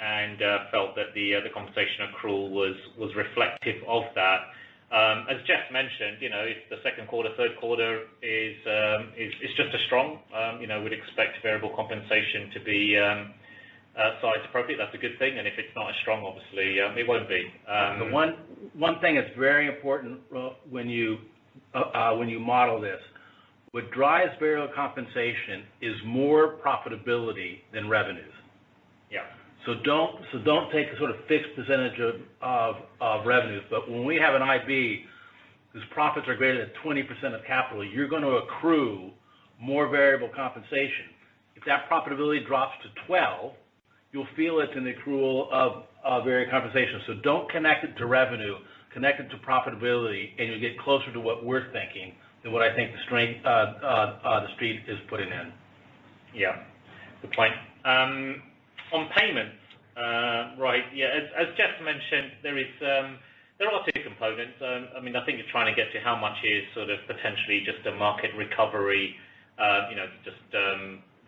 and felt that the compensation accrual was reflective of that. As Jes mentioned, if the second quarter, third quarter is just as strong, we'd expect variable compensation to be size appropriate. That's a good thing. If it's not as strong, obviously, it won't be. The one thing that's very important when you model this, what drives variable compensation is more profitability than revenues. Yeah. Don't take a sort of fixed percentage of revenues. When we have an IB whose profits are greater than 20% of capital, you're going to accrue more variable compensation. If that profitability drops to 12, you'll feel it in accrual of varied compensation. Don't connect it to revenue, connect it to profitability, and you'll get closer to what we're thinking than what I think the Street is putting in. Yeah. Good point. On payments, right, yeah, as Jes Staley mentioned, there are two components. I think you're trying to get to how much is sort of potentially just a market recovery, just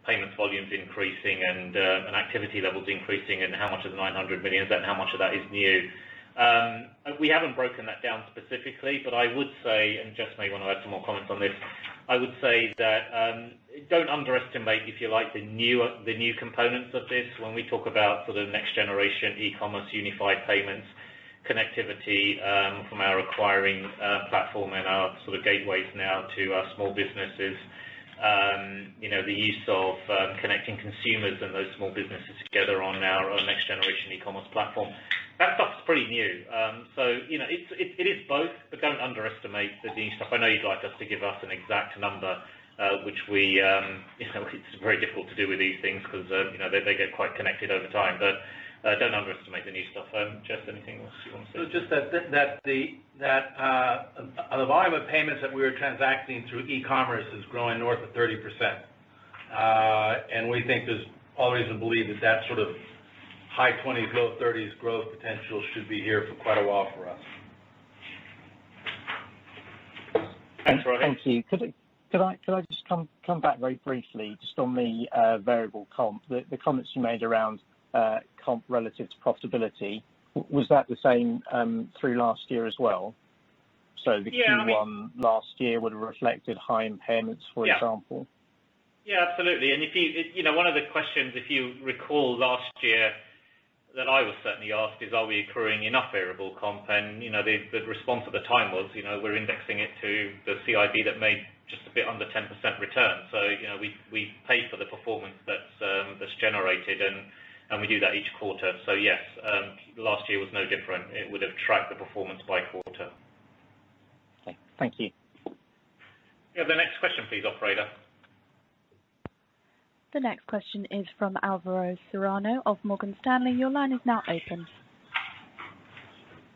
payments volumes increasing and activity levels increasing and how much of the 900 million, and how much of that is new. We haven't broken that down specifically, but I would say, and Jes Staley may want to add some more comments on this, I would say that, don't underestimate, if you like, the new components of this. When we talk about sort of next generation e-commerce unified payments, connectivity from our acquiring platform and our sort of gateways now to our small businesses. The use of connecting consumers and those small businesses together on our next generation e-commerce platform. That stuff's pretty new. It is both, but don't underestimate the new stuff. I know you'd like us to give an exact number. It's very difficult to do with these things because they get quite connected over time. Don't underestimate the new stuff. Jes Staley, anything else you want to say? Just that the volume of payments that we are transacting through e-commerce is growing north of 30%. We think there's all reason to believe that that sort of high 20s, low 30s growth potential should be here for quite a while for us. Thanks, Rohith. Thank you. Could I just come back very briefly just on the variable comp, the comments you made around comp relative to profitability, was that the same through last year as well? Yeah, I mean- Q1 last year would have reflected high impairments, for example? Yeah. Yeah, absolutely. One of the questions, if you recall last year that I was certainly asked is, are we accruing enough variable comp? The response at the time was, we're indexing it to the CIB that made just a bit under 10% return. We pay for the performance that's generated and we do that each quarter. Yes, last year was no different. It would've tracked the performance by quarter. Okay. Thank you. Can we have the next question please, operator? The next question is from Alvaro Serrano of Morgan Stanley. Your line is now open.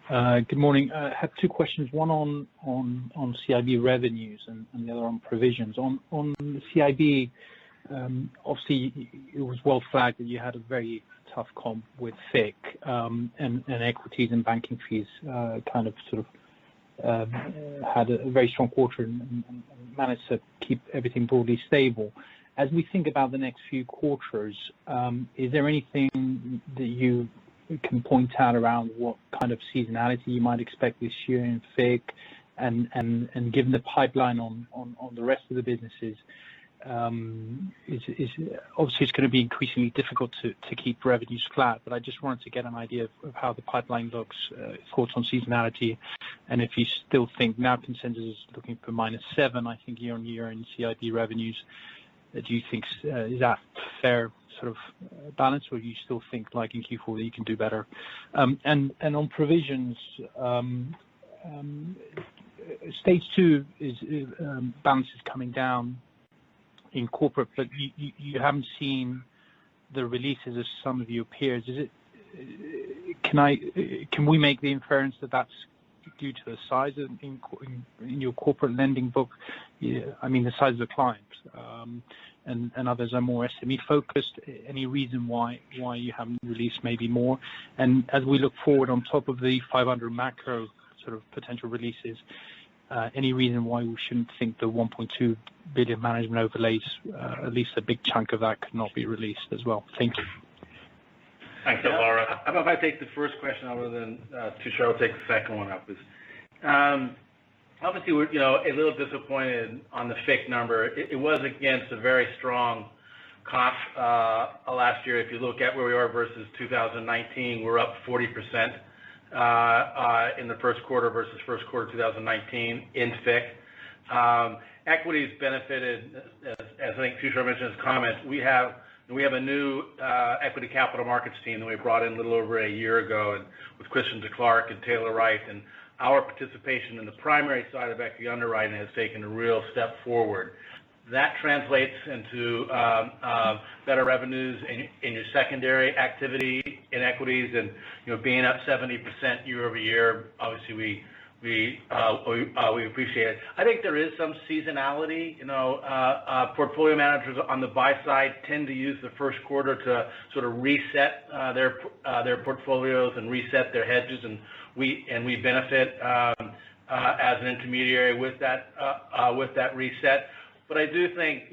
Good morning. I have two questions, one on CIB revenues and the other on provisions. On CIB, obviously, it was well flagged that you had a very tough comp with FICC, and equities and banking fees kind of had a very strong quarter and managed to keep everything broadly stable. As we think about the next few quarters, is there anything that you can point out around what kind of seasonality you might expect this year in FICC, and given the pipeline on the rest of the businesses? Obviously, it's going to be increasingly difficult to keep revenues flat. I just wanted to get an idea of how the pipeline looks, thoughts on seasonality. Navin says looking for minus seven, I think, year-on-year in CIB revenues. Do you think is that fair balance or you still think like in Q4 you can do better? On provisions, Stage 2 balances coming down in corporate, but you haven't seen the releases as some of your peers. Can we make the inference that that's due to the size in your corporate lending book? I mean, the size of the clients. Others are more SME focused. Any reason why you haven't released maybe more? As we look forward on top of the 500 macro sort of potential releases, any reason why we shouldn't think the 1.2 billion management overlays, at least a big chunk of that could not be released as well? Thank you. Thanks, Alvaro. How about if I take the first question, Alvaro, then Tushar will take the second one after this. Obviously, we're a little disappointed on the FICC number. It was against a very strong comp, last year. If you look at where we are versus 2019, we're up 40% in the first quarter versus first quarter 2019 in FICC. Equity's benefited as I think Tushar mentioned in his comments. We have a new equity capital markets team that we brought in a little over a year ago, and with Kristin DeClark and Taylor Wright, and our participation in the primary side of equity underwriting has taken a real step forward. That translates into better revenues in your secondary activity in equities and being up 70% year-over-year, obviously we appreciate it. I think there is some seasonality. Portfolio managers on the buy side tend to use the first quarter to sort of reset their portfolios and reset their hedges. We benefit as an intermediary with that reset. I do think,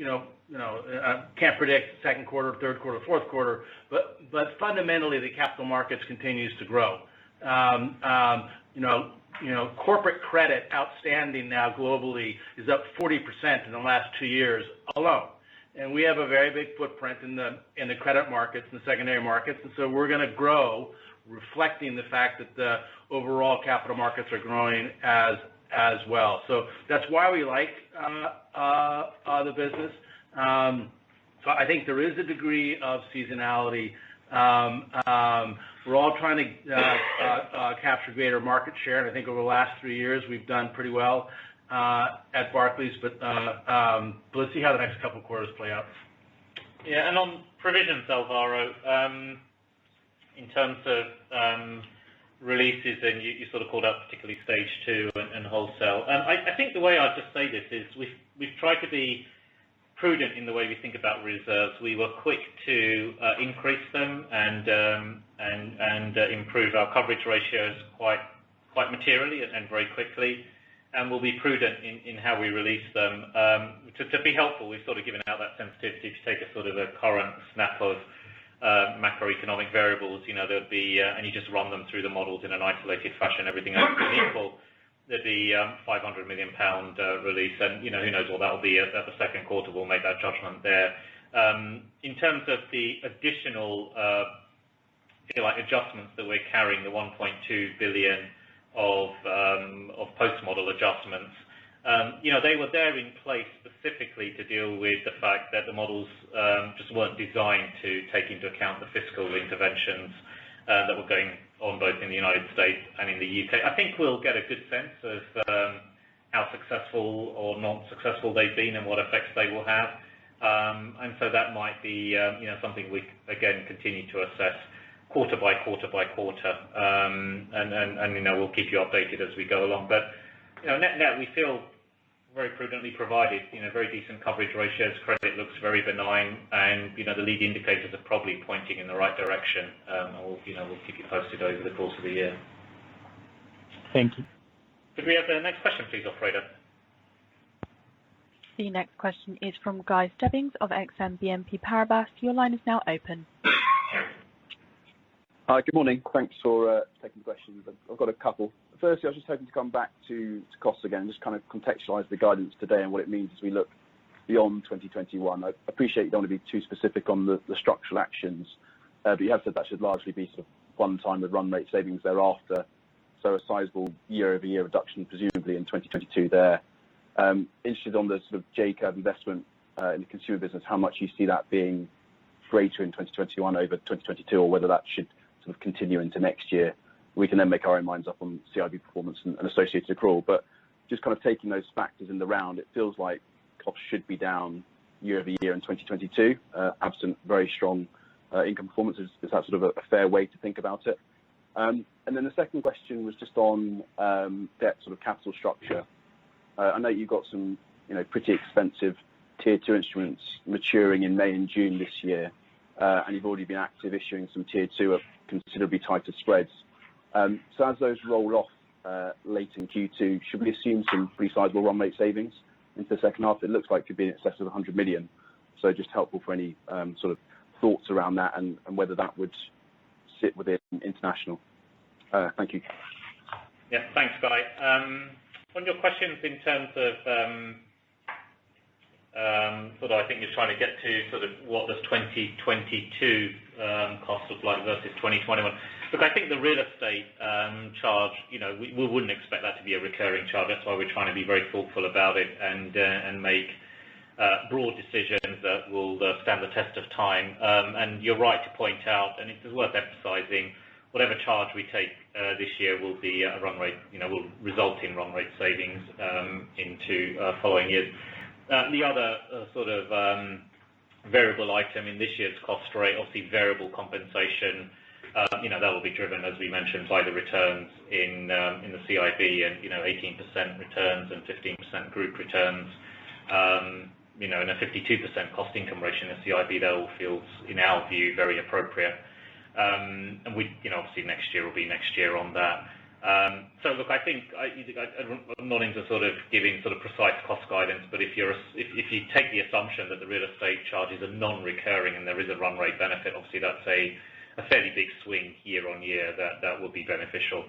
I can't predict second quarter, third quarter, fourth quarter. Fundamentally, the capital markets continues to grow. Corporate credit outstanding now globally is up 40% in the last two years alone. We have a very big footprint in the credit markets and secondary markets. We're going to grow, reflecting the fact that the overall capital markets are growing as well. That's why we like the business. I think there is a degree of seasonality. We're all trying to capture greater market share. I think over the last three years, we've done pretty well at Barclays. Let's see how the next couple quarters play out. Yeah. On provisions, Alvaro, in terms of releases, you sort of called out particularly Stage 2 and wholesale. I think the way I'd just say this is we've tried to be prudent in the way we think about reserves. We were quick to increase them and improve our coverage ratios quite materially and very quickly. We'll be prudent in how we release them. To be helpful, we've given out that sensitivity to take a sort of a current snap of macroeconomic variables. You just run them through the models in an isolated fashion. Everything else is equal. There'd be a 500 million pound release. Who knows what that will be at the second quarter. We'll make that judgment there. In terms of the additional adjustments that we're carrying, the 1.2 billion of post-model adjustments. They were there in place specifically to deal with the fact that the models just weren't designed to take into account the fiscal interventions that were going on, both in the United States and in the U.K. I think we'll get a good sense of how successful or not successful they've been and what effects they will have. That might be something we, again, continue to assess quarter by quarter by quarter. We'll keep you updated as we go along. Net-net, we feel very prudently provided, very decent coverage ratios. Credit looks very benign, and the lead indicators are probably pointing in the right direction. We'll keep you posted over the course of the year. Thank you. Could we have the next question please, operator? The next question is from Guy Stebbings of Exane BNP Paribas. Your line is now open. Hi. Good morning. Thanks for taking questions. I've got a couple. Firstly, I was just hoping to come back to costs again, just kind of contextualize the guidance today and what it means as we look beyond 2021. I appreciate you don't want to be too specific on the structural actions, but you have said that should largely be sort of one time with run rate savings thereafter. So a sizable year-over-year reduction, presumably in 2022 there. Interested on the sort of J-curve investment in the consumer business, how much you see that being greater in 2021 over 2022 or whether that should sort of continue into next year. We can then make our own minds up on CIB performance and associated accrual. Just kind of taking those factors in the round, it feels like costs should be down year-over-year in 2022. Absent very strong income performances. Is that sort of a fair way to think about it? The second question was just on debt sort of capital structure. I know you've got some pretty expensive Tier 2 instruments maturing in May and June this year. You've already been active issuing some Tier 2 of considerably tighter spreads. As those roll off late in Q2, should we assume some pretty sizable run rate savings into the second half? It looks like could be in excess of 100 million. Just helpful for any sort of thoughts around that and whether that would sit within Barclays International. Thank you. Yeah. Thanks, Guy. On your questions in terms of I think you're trying to get to sort of what does 2022 cost look like versus 2021. Look, I think the real estate charge we wouldn't expect that to be a recurring charge. That's why we're trying to be very thoughtful about it and make broad decisions that will stand the test of time. You're right to point out, and it is worth emphasizing, whatever charge we take this year will result in run rate savings into following years. The other sort of variable item in this year's cost rate, obviously variable compensation. That will be driven, as we mentioned, by the returns in the CIB and 18% returns and 15% group returns. A 52% cost income ratio in CIB, that all feels, in our view, very appropriate. Obviously next year will be next year on that. Look, I think I'm not into sort of giving sort of precise cost guidance, but if you take the assumption that the real estate charges are non-recurring and there is a run rate benefit, obviously that's a fairly big swing year on year that will be beneficial.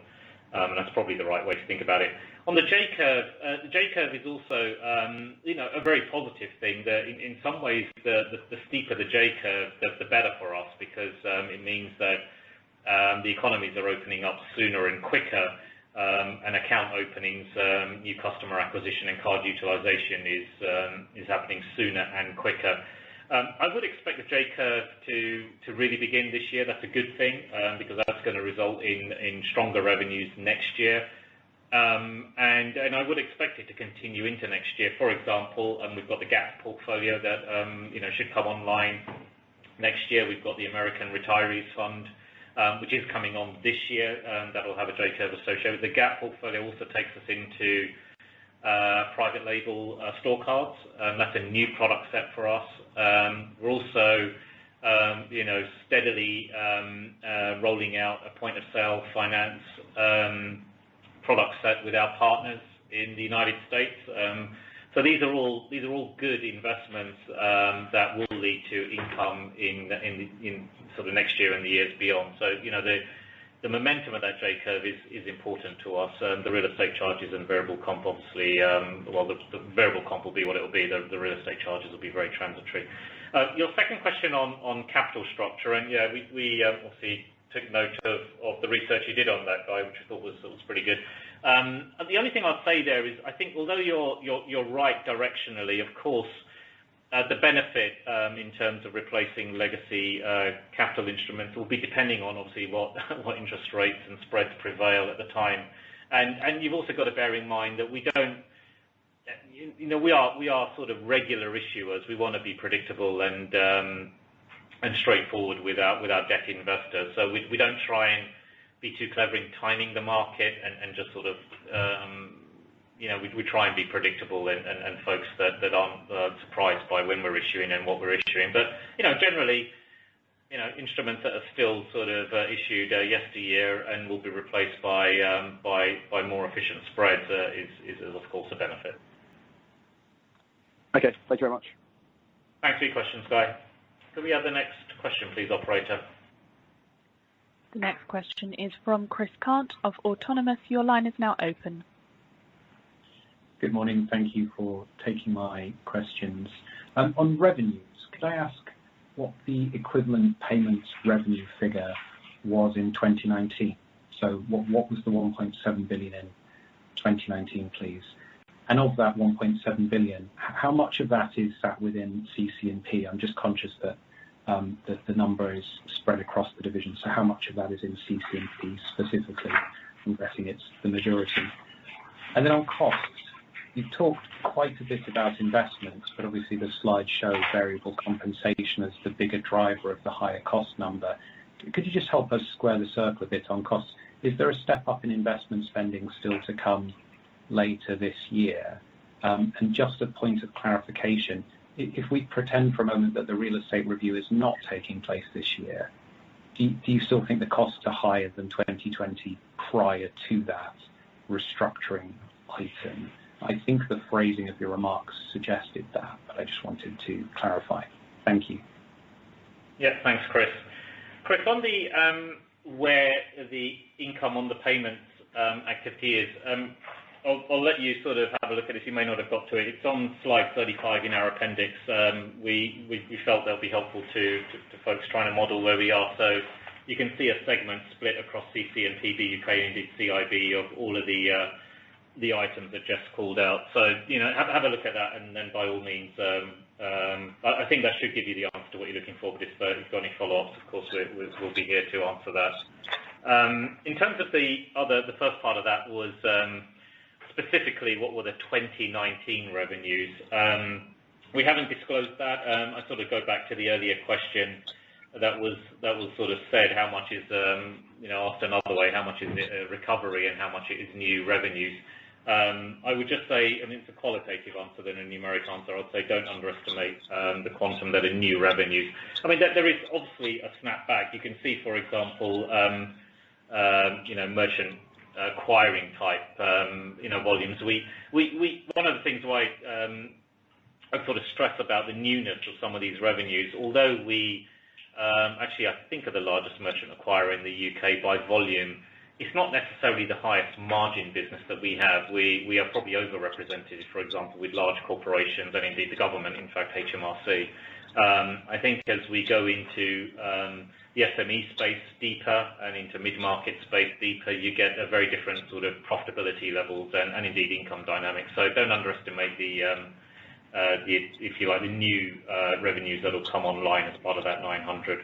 That's probably the right way to think about it. On the J-curve. The J-curve is also a very positive thing, that in some ways, the steeper the J-curve, the better for us. It means that the economies are opening up sooner and quicker, and account openings, new customer acquisition, and card utilization is happening sooner and quicker. I would expect the J-curve to really begin this year. That's a good thing, because that's going to result in stronger revenues next year. I would expect it to continue into next year. For example, we've got the Gap portfolio that should come online next year. We've got the American Retirees fund, which is coming on this year. That'll have a J-curve associated. The Gap portfolio also takes us into private label store cards. That's a new product set for us. We're also steadily rolling out a point-of-sale finance product set with our partners in the U.S. These are all good investments that will lead to income in the next year and the years beyond. The momentum of that J-curve is important to us. The real estate charges and variable comp, obviously. Well, the variable comp will be what it will be. The real estate charges will be very transitory. Your second question on capital structure, yeah, we obviously took note of the research you did on that, Guy, which we thought was pretty good. The only thing I'll say there is, I think although you're right directionally, of course, the benefit in terms of replacing legacy capital instruments will be depending on obviously what interest rates and spreads prevail at the time. You've also got to bear in mind that we are sort of regular issuers. We want to be predictable and straightforward with our debt investors. We don't try and be too clever in timing the market. We try and be predictable and folks that aren't surprised by when we're issuing and what we're issuing. Generally, instruments that are still issued yesteryear and will be replaced by more efficient spreads is, of course, a benefit. Okay. Thank you very much. Thanks for your questions, Guy. Can we have the next question please, operator? The next question is from Christopher Cant of Autonomous. Your line is now open. Good morning. Thank you for taking my questions. On revenues, could I ask what the equivalent payments revenue figure was in 2019? What was the 1.7 billion in 2019, please? Of that 1.7 billion, how much of that is sat within CCP? I'm just conscious that the number is spread across the division. How much of that is in CCP specifically? I'm guessing it's the majority. Then on costs, you've talked quite a bit about investments, but obviously the slide shows variable compensation as the bigger driver of the higher cost number. Could you just help us square the circle a bit on costs? Is there a step up in investment spending still to come later this year? Just a point of clarification, if we pretend for a moment that the real estate review is not taking place this year, do you still think the costs are higher than 2020 prior to that restructuring item? I think the phrasing of your remarks suggested that, but I just wanted to clarify. Thank you. Thanks, Chris. Chris, on where the income on the payment's activity is, I'll let you have a look at it. You may not have got to it. It's on Slide 35 in our appendix. We felt that'll be helpful to folks trying to model where we are. You can see a segment split across CC&P, UK, and CIB of all of the items that Jes called out. Have a look at that, by all means. I think that should give you the answer to what you're looking for. If you've got any follow-ups, of course, we'll be here to answer that. In terms of the first part of that was specifically what were the 2019 revenues. We haven't disclosed that. I go back to the earlier question that was sort of said, asked another way, how much is it a recovery and how much is new revenues? I would just say, it's a qualitative answer than a numeric answer. I would say don't underestimate the quantum that are new revenues. There is obviously a snap back. You can see, for example, merchant acquiring type volumes. One of the things I sort of stress about the newness of some of these revenues, although we actually, I think, are the largest merchant acquirer in the U.K. by volume, it's not necessarily the highest margin business that we have. We are probably over-represented, for example, with large corporations and indeed the government, in fact, HMRC. I think as we go into the SME space deeper and into mid-market space deeper, you get a very different sort of profitability levels and indeed income dynamics. Don't underestimate the, if you like, the new revenues that will come online as part of that GBP 900.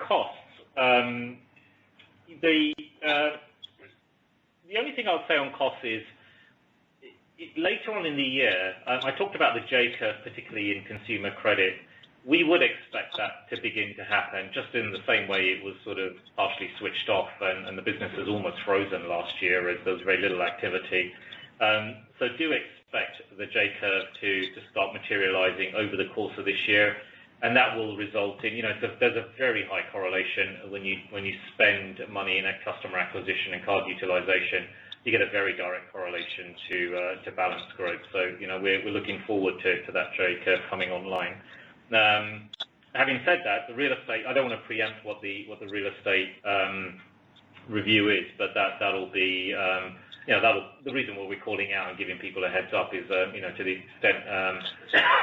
Costs. The only thing I'll say on costs is later on in the year, I talked about the J curve, particularly in consumer credit. We would expect that to begin to happen just in the same way it was sort of partially switched off and the business was almost frozen last year as there was very little activity. Do expect the J curve to start materializing over the course of this year, and that will result in. There's a very high correlation when you spend money in a customer acquisition and card utilization, you get a very direct correlation to balanced growth. We're looking forward to that J curve coming online. Having said that, I don't want to preempt what the real estate review is, the reason we're calling out and giving people a heads up is to the extent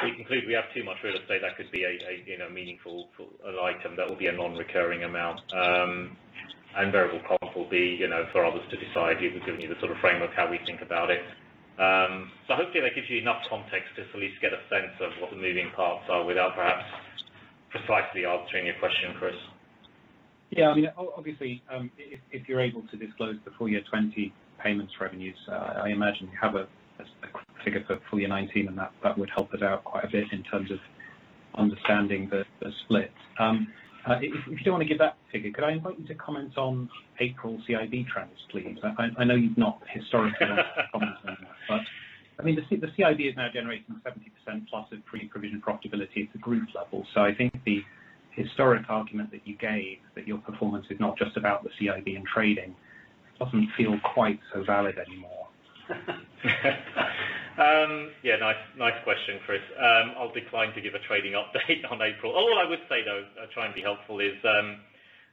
we conclude we have too much real estate, that could be a meaningful item that will be a non-recurring amount. Variable cost will be for others to decide, given the sort of framework how we think about it. Hopefully that gives you enough context to at least get a sense of what the moving parts are without perhaps precisely answering your question, Chris. Yeah. Obviously, if you're able to disclose the full year 2020 payments revenues, I imagine you have a figure for full year 2019, and that would help us out quite a bit in terms of understanding the splits. If you don't want to give that figure, could I invite you to comment on April CIB trends, please? I know you've not historically commented. The CIB is now generating 70%+ of pre-provision profitability at the group level. I think the historic argument that you gave, that your performance is not just about the CIB and trading, doesn't feel quite so valid anymore. Yeah. Nice question, Chris. I'll decline to give a trading update on April. All I would say, though, I'll try and be helpful is,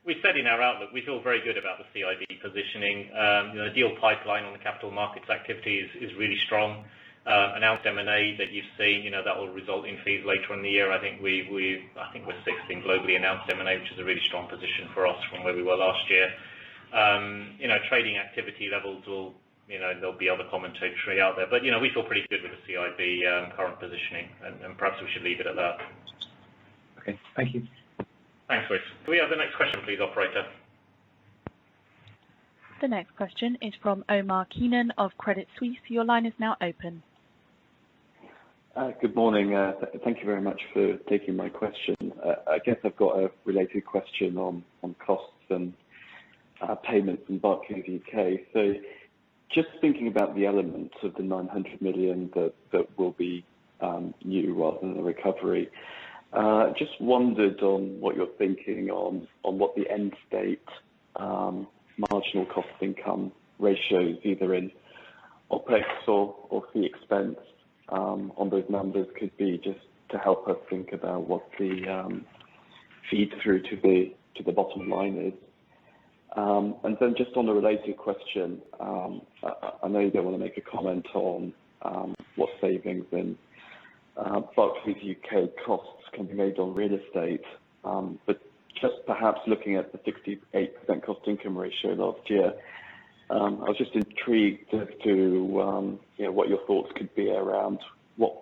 we said in our outlook we feel very good about the CIB positioning. The deal pipeline on the capital markets activity is really strong. Announced M&A that you've seen, that will result in fees later in the year. I think we're sixth in globally announced M&A, which is a really strong position for us from where we were last year. Trading activity levels, there'll be other commentary out there. We feel pretty good with the CIB current positioning, and perhaps we should leave it at that. Okay. Thank you. Thanks, Chris. Can we have the next question please, operator? The next question is from Omar Keenan of Credit Suisse. Your line is now open. Good morning. Thank you very much for taking my question. I guess I've got a related question on costs and payments in Barclays UK. Just thinking about the elements of the 900 million that will be new rather than a recovery. Just wondered on what you're thinking on what the end state marginal cost income ratio, either in OpEx or fee expense, on those numbers could be, just to help us think about what the feed through to the bottom line is. Just on a related question. I know you don't want to make a comment on what savings in Barclays UK costs can be made on real estate. Just perhaps looking at the 68% cost income ratio last year. I was just intrigued as to what your thoughts could be around what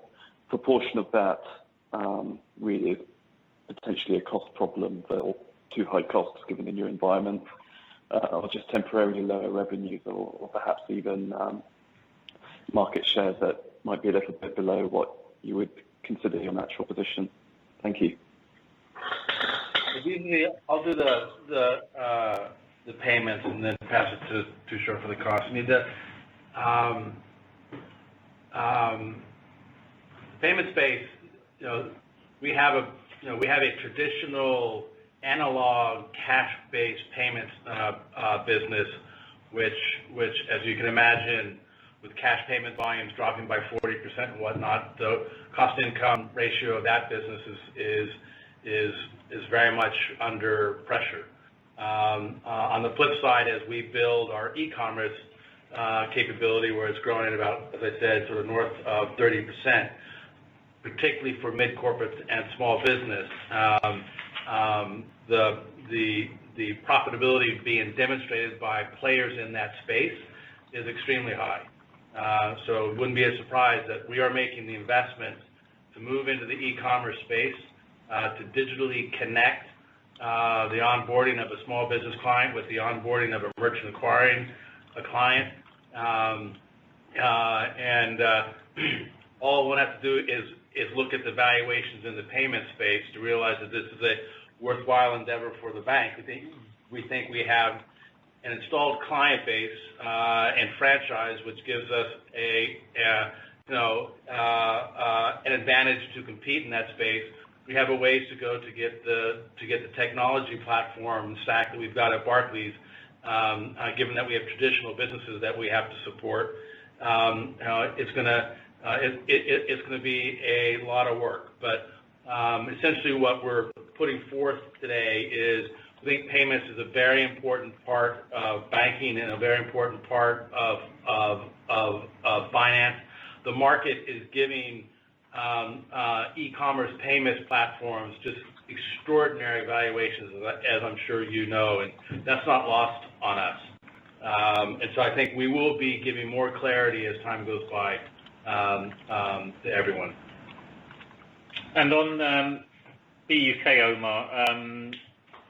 proportion of that really potentially a cost problem, or too high costs given the new environment, or just temporarily lower revenues or perhaps even market share that might be a little bit below what you would consider your natural position. Thank you. I'll do the payment and then pass it to Tushar for the cost. Payment space, we have a traditional analog cash-based payments business, which as you can imagine, with cash payment volumes dropping by 40% and whatnot, the cost income ratio of that business is very much under pressure. On the flip side, as we build our e-commerce capability where it's growing at about, as I said, sort of north of 30%, particularly for mid-corporate and small business. The profitability being demonstrated by players in that space is extremely high. It wouldn't be a surprise that we are making the investment to move into the e-commerce space to digitally connect the onboarding of a small business client with the onboarding of a merchant acquiring a client. All we'll have to do is look at the valuations in the payment space to realize that this is a worthwhile endeavor for the bank. We think we have an installed client base and franchise, which gives us an advantage to compete in that space. We have a way to go to get the technology platform stack that we've got at Barclays, given that we have traditional businesses that we have to support. It's going to be a lot of work. Essentially what we're putting forth today is, we think payments is a very important part of banking and a very important part of finance. The market is giving e-commerce payments platforms just extraordinary valuations, as I'm sure you know, and that's not lost on us. I think we will be giving more clarity as time goes by to everyone. On BUK, Omar.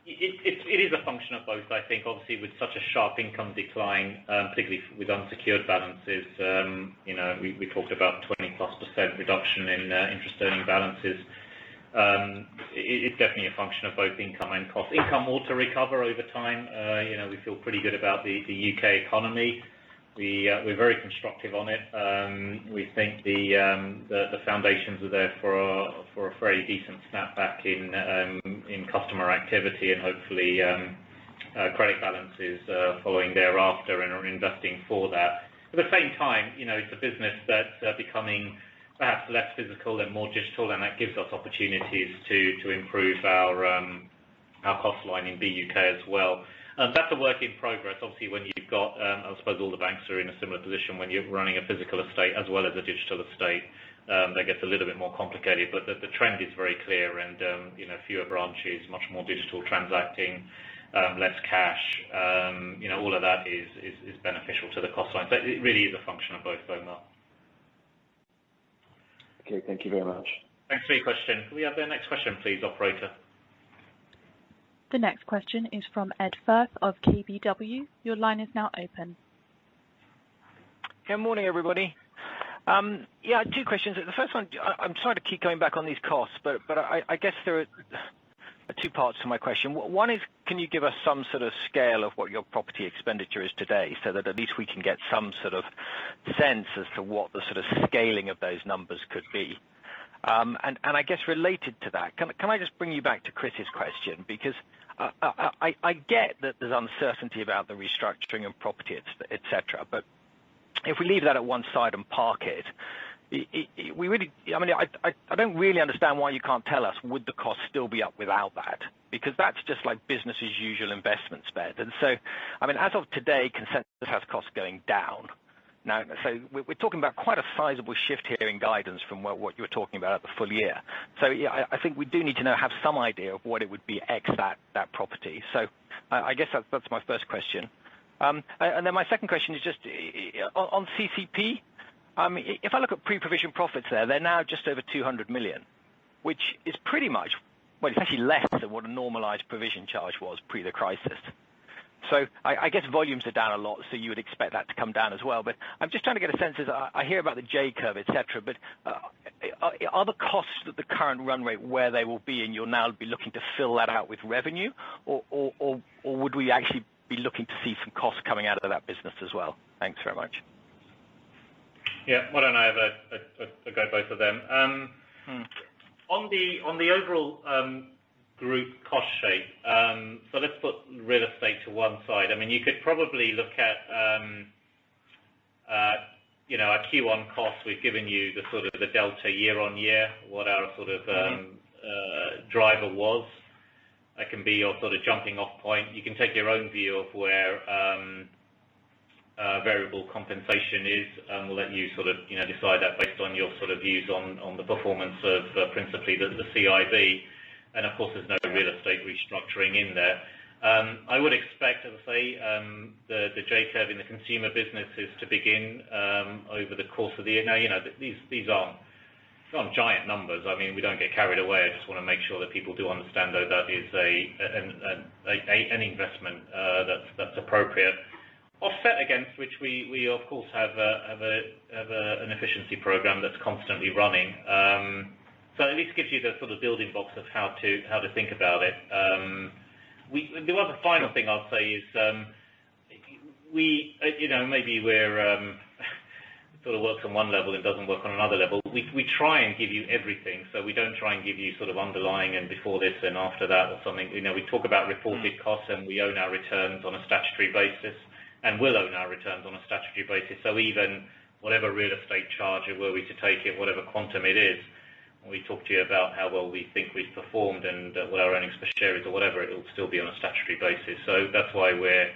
It is a function of both, I think. Obviously, with such a sharp income decline, particularly with unsecured balances. We talked about 20%+ reduction in interest earning balances. It's definitely a function of both income and cost. Income ought to recover over time. We feel pretty good about the U.K. economy. We're very constructive on it. We think the foundations are there for a very decent snapback in customer activity and hopefully credit balances following thereafter and are investing for that. At the same time, it's a business that's becoming perhaps less physical and more digital, and that gives us opportunities to improve our cost line in BUK as well. That's a work in progress. Obviously, when you've got I suppose all the banks are in a similar position when you're running a physical estate as well as a digital estate, that gets a little bit more complicated. The trend is very clear and fewer branches, much more digital transacting, less cash. All of that is beneficial to the cost line. It really is a function of both, Omar. Okay. Thank you very much. Thanks for your question. Can we have the next question please, operator? The next question is from Ed Firth of KBW. Your line is now open. Yeah. Morning, everybody. Two questions. The first one, I'm sorry to keep going back on these costs, I guess there are. Two parts to my question. One is, can you give us some sort of scale of what your property expenditure is today, so that at least we can get some sort of sense as to what the sort of scaling of those numbers could be. I guess related to that, can I just bring you back to Chris's question, because I get that there's uncertainty about the restructuring and property, et cetera. If we leave that at one side and park it, I don't really understand why you can't tell us would the cost still be up without that? That's just like business as usual investment spend. As of today, consensus has costs going down. We're talking about quite a sizable shift here in guidance from what you were talking about at the full year. Yeah, I think we do need to now have some idea of what it would be ex that property. I guess that's my first question. My second question is just on CCP. If I look at pre-provision profits there, they're now just over 200 million, which is pretty much Well, it's actually less than what a normalized provision charge was pre the crisis. I guess volumes are down a lot, so you would expect that to come down as well. I'm just trying to get a sense, as I hear about the J curve, et cetera, but are the costs at the current run rate where they will be and you'll now be looking to fill that out with revenue or would we actually be looking to see some cost coming out of that business as well? Thanks very much. Yeah. Why don't I have a go both of them? On the overall group cost shape, so let's put real estate to one side. You could probably look at our Q1 cost. We've given you the sort of the delta year-over-year, what our driver was. That can be your jumping off point. You can take your own view of where variable compensation is, and we'll let you decide that based on your views on the performance of principally the CIB, and of course, there's no real estate restructuring in there. I would expect, as I say, the J curve in the consumer business is to begin over the course of the year. These aren't giant numbers. We don't get carried away. I just want to make sure that people do understand, though, that is an investment that's appropriate. Offset against which we of course have an efficiency program that's constantly running. At least it gives you the building blocks of how to think about it. The other final thing I'll say is maybe we're sort of works on one level and doesn't work on another level. We try and give you everything. We don't try and give you sort of underlying and before this and after that or something. We talk about reported costs. We own our returns on a statutory basis, and will own our returns on a statutory basis. Even whatever real estate charge, and were we to take it, whatever quantum it is, when we talk to you about how well we think we've performed and what our earnings per share is or whatever it, will still be on a statutory basis. That's why we're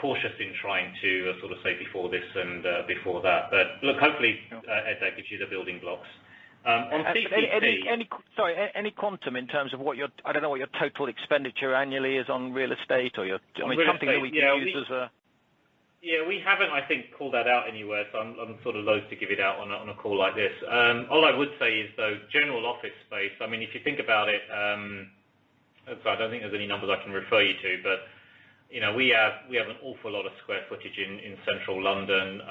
cautious in trying to say before this and before that. Look, hopefully that gives you the building blocks. On CCP- Sorry, any quantum in terms of I don't know what your total expenditure annually is on real estate or something that we can use as a? Yeah. We haven't, I think, called that out anywhere, so I'm loath to give it out on a call like this. All I would say is, though, general office space, if you think about it. Sorry, I don't think there's any numbers I can refer you to. We have an awful lot of square footage in Central London.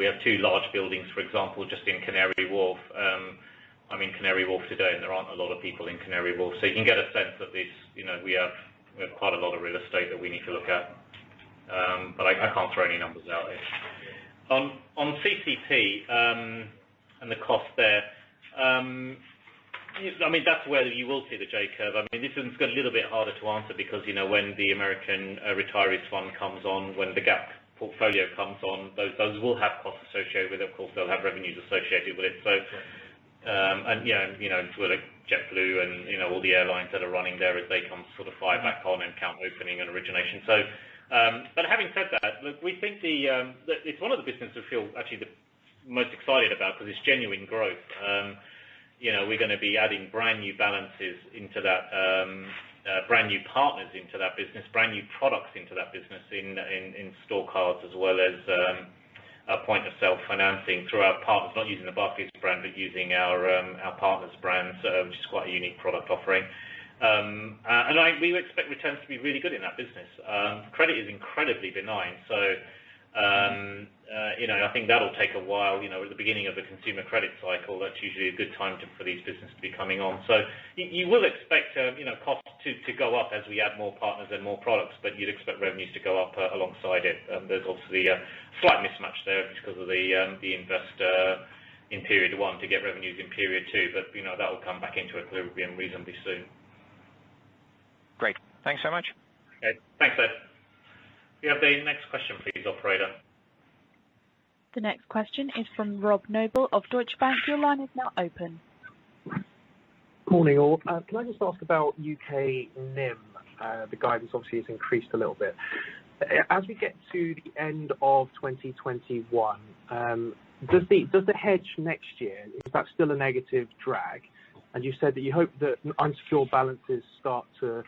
We have two large buildings, for example, just in Canary Wharf. I'm in Canary Wharf today, and there aren't a lot of people in Canary Wharf. You can get a sense that we have quite a lot of real estate that we need to look at. I can't throw any numbers out there. On CCP, and the cost there. That's where you will see the J curve. This one's got a little bit harder to answer because when the American Retirees one comes on, when the Gap portfolio comes on, those will have costs associated with it. Of course, they'll have revenues associated with it. With JetBlue and all the airlines that are running there as they come sort of fire back on and account opening and origination. Having said that, it's one of the businesses we feel actually the most excited about because it's genuine growth. We're going to be adding brand new balances into that, brand new partners into that business, brand new products into that business in store cards as well as point of sale financing through our partners. Not using the Barclays brand, but using our partners brands, which is quite a unique product offering. We expect returns to be really good in that business. Credit is incredibly benign. I think that'll take a while. At the beginning of the consumer credit cycle, that's usually a good time for these businesses to be coming on. You will expect costs to go up as we add more partners and more products, but you'd expect revenues to go up alongside it. There's obviously a slight mismatch there just because of the investor in period one to get revenues in period two, but that will come back into equilibrium reasonably soon. Great. Thanks so much. Okay. Thanks, Ed. Can we have the next question please, Operator? The next question is from Robert Noble of Deutsche Bank. Your line is now open. Morning, all. Can I just ask about U.K. NIM? The guidance obviously has increased a little bit. As we get to the end of 2021, does the hedge next year, is that still a negative drag? You said that you hope that unsecured balances start to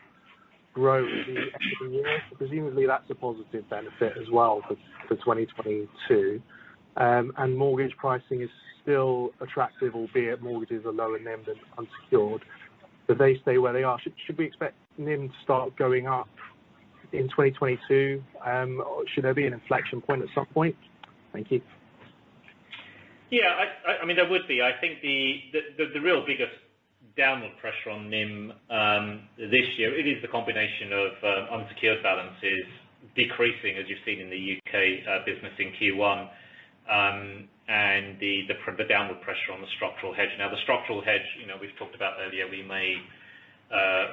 grow at the end of the year. Presumably that's a positive benefit as well for 2022. Mortgage pricing is still attractive, albeit mortgages are lower NIM than unsecured. Do they stay where they are? Should we expect NIM to start going up in 2022? Should there be an inflection point at some point? Thank you. Yeah. There would be. I think the real biggest downward pressure on NIM this year, it is the combination of unsecured balances decreasing, as you've seen in the UK business in Q1, and the downward pressure on the structural hedge. The structural hedge, we've talked about earlier, we may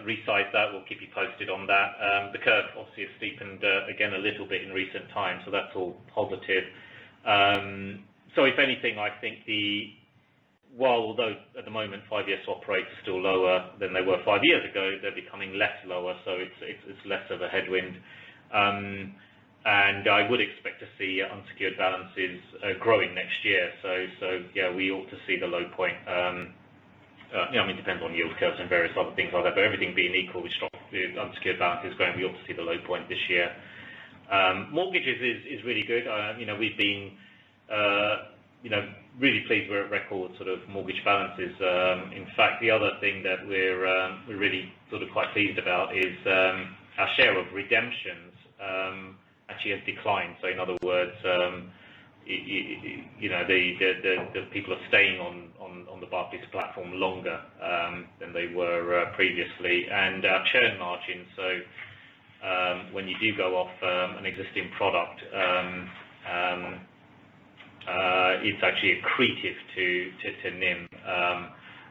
resize that. We'll keep you posted on that. The curve obviously has steepened again a little bit in recent times, that's all positive. If anything, I think while although at the moment five-year swap rates are still lower than they were five years ago, they're becoming less lower, so it's less of a headwind. I would expect to see unsecured balances growing next year. Yeah, we ought to see the low point. It depends on yield curves and various other things like that, but everything being equal with strong unsecured balances growing, we ought to see the low point this year. Mortgages is really good. We've been really pleased we're at record mortgage balances. In fact, the other thing that we're really quite pleased about is our share of redemptions actually has declined. In other words, the people are staying on the Barclays platform longer than they were previously. Our churn margins. When you do go off an existing product, it's actually accretive to NIM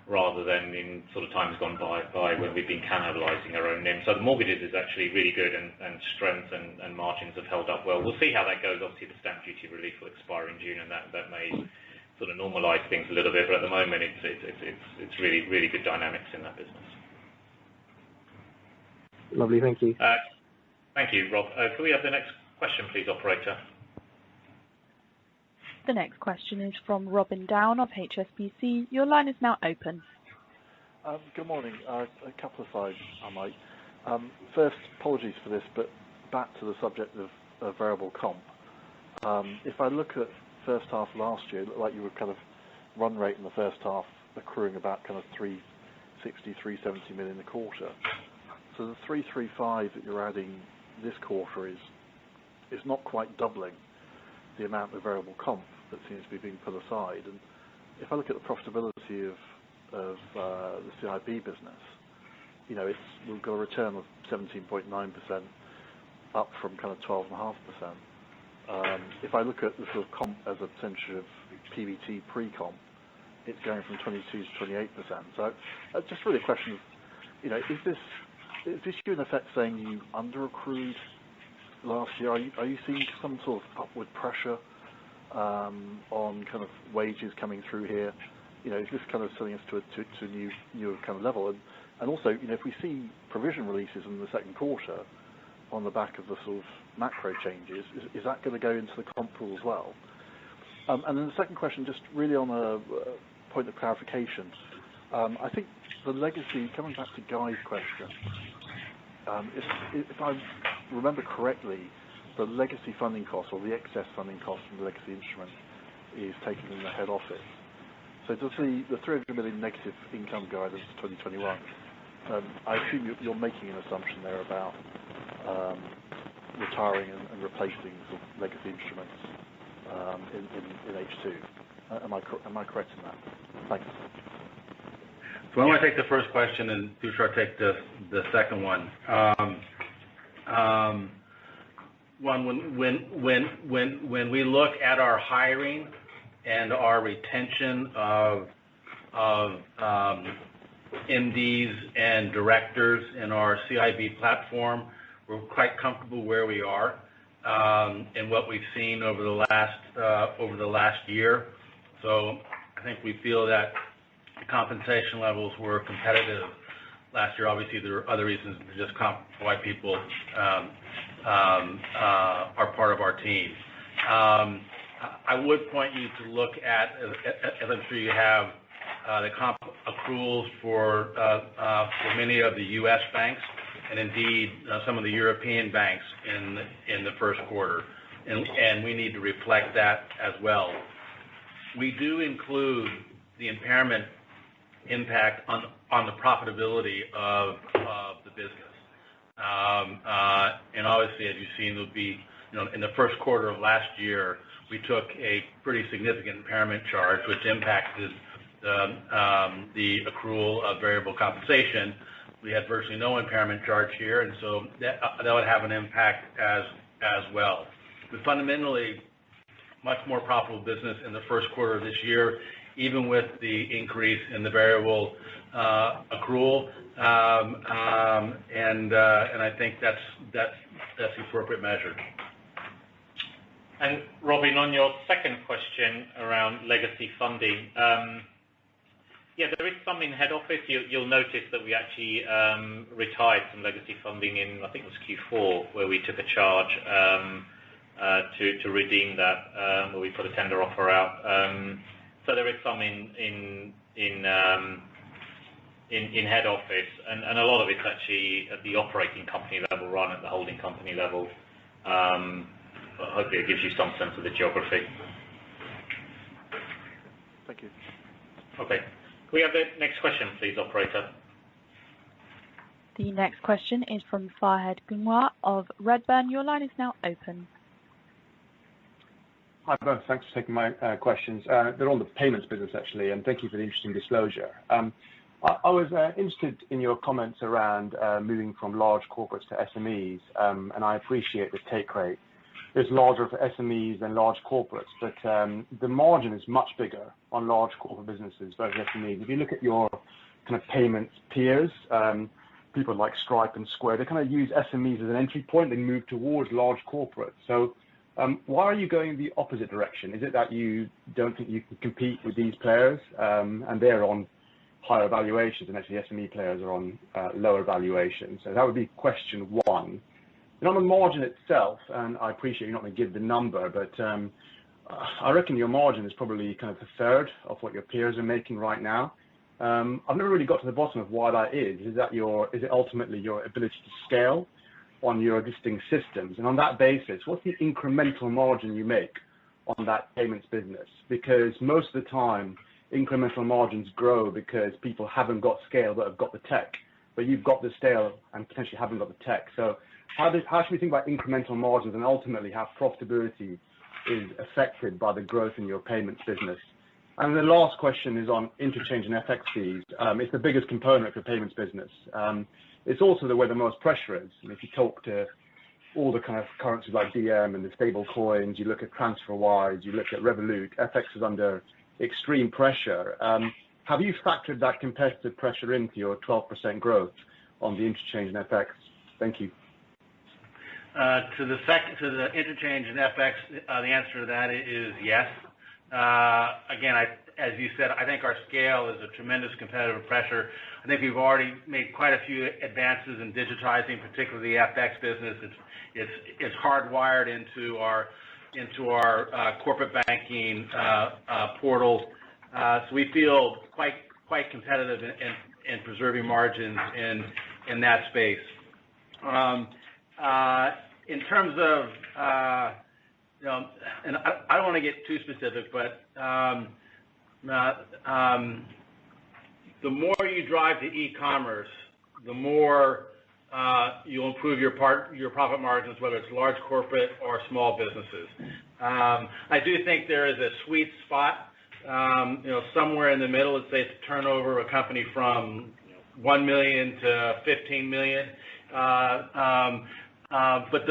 rather than in times gone by when we've been cannibalizing our own NIM. Mortgages is actually really good and strength and margins have held up well. We'll see how that goes. Obviously, the stamp duty relief will expire in June, and that may normalize things a little bit. At the moment, it's really good dynamics in that business. Lovely. Thank you. Thank you, Rob. Could we have the next question please, operator? The next question is from Robin Down of HSBC. Your line is now open. Good morning. A couple of things, I might. First, apologies for this, back to the subject of variable comp. If I look at first half last year, it looked like you were run rate in the first half accruing about 360 million, 370 million a quarter. The 335 million that you're adding this quarter is not quite doubling the amount of variable comp that seems to be being put aside. If I look at the profitability of the CIB business, it's got a return of 17.9% up from 12.5%. If I look at the comp as a percentage of PBT pre-comp, it's going from 22%-28%. Just really a question of, is this you in effect saying you under-accrued last year? Are you seeing some sort of upward pressure on wages coming through here? Is this setting us to a newer kind of level? Also, if we see provision releases in the second quarter on the back of the macro changes, is that going to go into the comp pool as well? Then the second question, just really on a point of clarification. Coming back to Guy's question, if I remember correctly, the legacy funding cost or the excess funding cost from the legacy instrument is taken in the head office. Does the 300 million negative income guidance for 2021, I assume you're making an assumption there about retiring and replacing legacy instruments in H2? Am I correct in that? Thanks. I want to take the first question, and Tushar take the second one. One, when we look at our hiring and our retention of MDs and directors in our CIB platform, we're quite comfortable where we are. What we've seen over the last year. I think we feel that the compensation levels were competitive last year. Obviously, there are other reasons than just comp why people are part of our teams. I would point you to look at, as I'm sure you have, the comp accruals for many of the U.S. banks and indeed some of the European banks in the first quarter. We need to reflect that as well. We do include the impairment impact on the profitability of the business. Obviously, as you've seen, in the first quarter of last year, we took a pretty significant impairment charge, which impacted the accrual of variable compensation. We had virtually no impairment charge here, that would have an impact as well. Fundamentally, much more profitable business in the first quarter of this year, even with the increase in the variable accrual. I think that's the appropriate measure. Robin, on your second question around legacy funding. Yeah, there is some in head office. You'll notice that we actually retired some legacy funding in, I think it was Q4, where we took a charge to redeem that, where we put a tender offer out. There is some in head office, and a lot of it's actually at the operating company level rather than at the holding company level. Hopefully it gives you some sense of the geography. Thank you. Okay. Could we have the next question please, operator? The next question is from Fahed Kunwar of Redburn. Your line is now open. Hi both. Thanks for taking my questions. They're on the payments business, actually, and thank you for the interesting disclosure. The margin is much bigger on large corporate businesses versus SMEs. If you look at your kind of payments peers, people like Stripe and Square, they kind of use SMEs as an entry point, then move towards large corporates. Why are you going the opposite direction? Is it that you don't think you can compete with these players and they're on higher valuations than actually SME players are on lower valuations? That would be question one. On the margin itself, I appreciate you're not going to give the number, but I reckon your margin is probably kind of a third of what your peers are making right now. I've never really got to the bottom of why that is. Is it ultimately your ability to scale on your existing systems? On that basis, what's the incremental margin you make on that payments business? Most of the time, incremental margins grow because people haven't got scale but have got the tech. You've got the scale and potentially haven't got the tech. How should we think about incremental margins and ultimately how profitability is affected by the growth in your payments business? The last question is on interchange and FX fees. It's the biggest component of the payments business. It's also where the most pressure is. If you talk to all the kind of currencies like Diem and the stablecoins, you look at TransferWise, you look at Revolut, FX is under extreme pressure. Have you factored that competitive pressure into your 12% growth on the interchange and FX? Thank you. To the interchange and FX, the answer to that is yes. Again, as you said, I think our scale is a tremendous competitive pressure. I think we've already made quite a few advances in digitizing particularly the FX business. It's hardwired into our corporate banking portals. We feel quite competitive in preserving margins in that space. I don't want to get too specific, the more you drive to e-commerce, the more you'll improve your profit margins, whether it's large corporate or small businesses. I do think there is a sweet spot somewhere in the middle as they turn over a company from 1 million to 15 million. The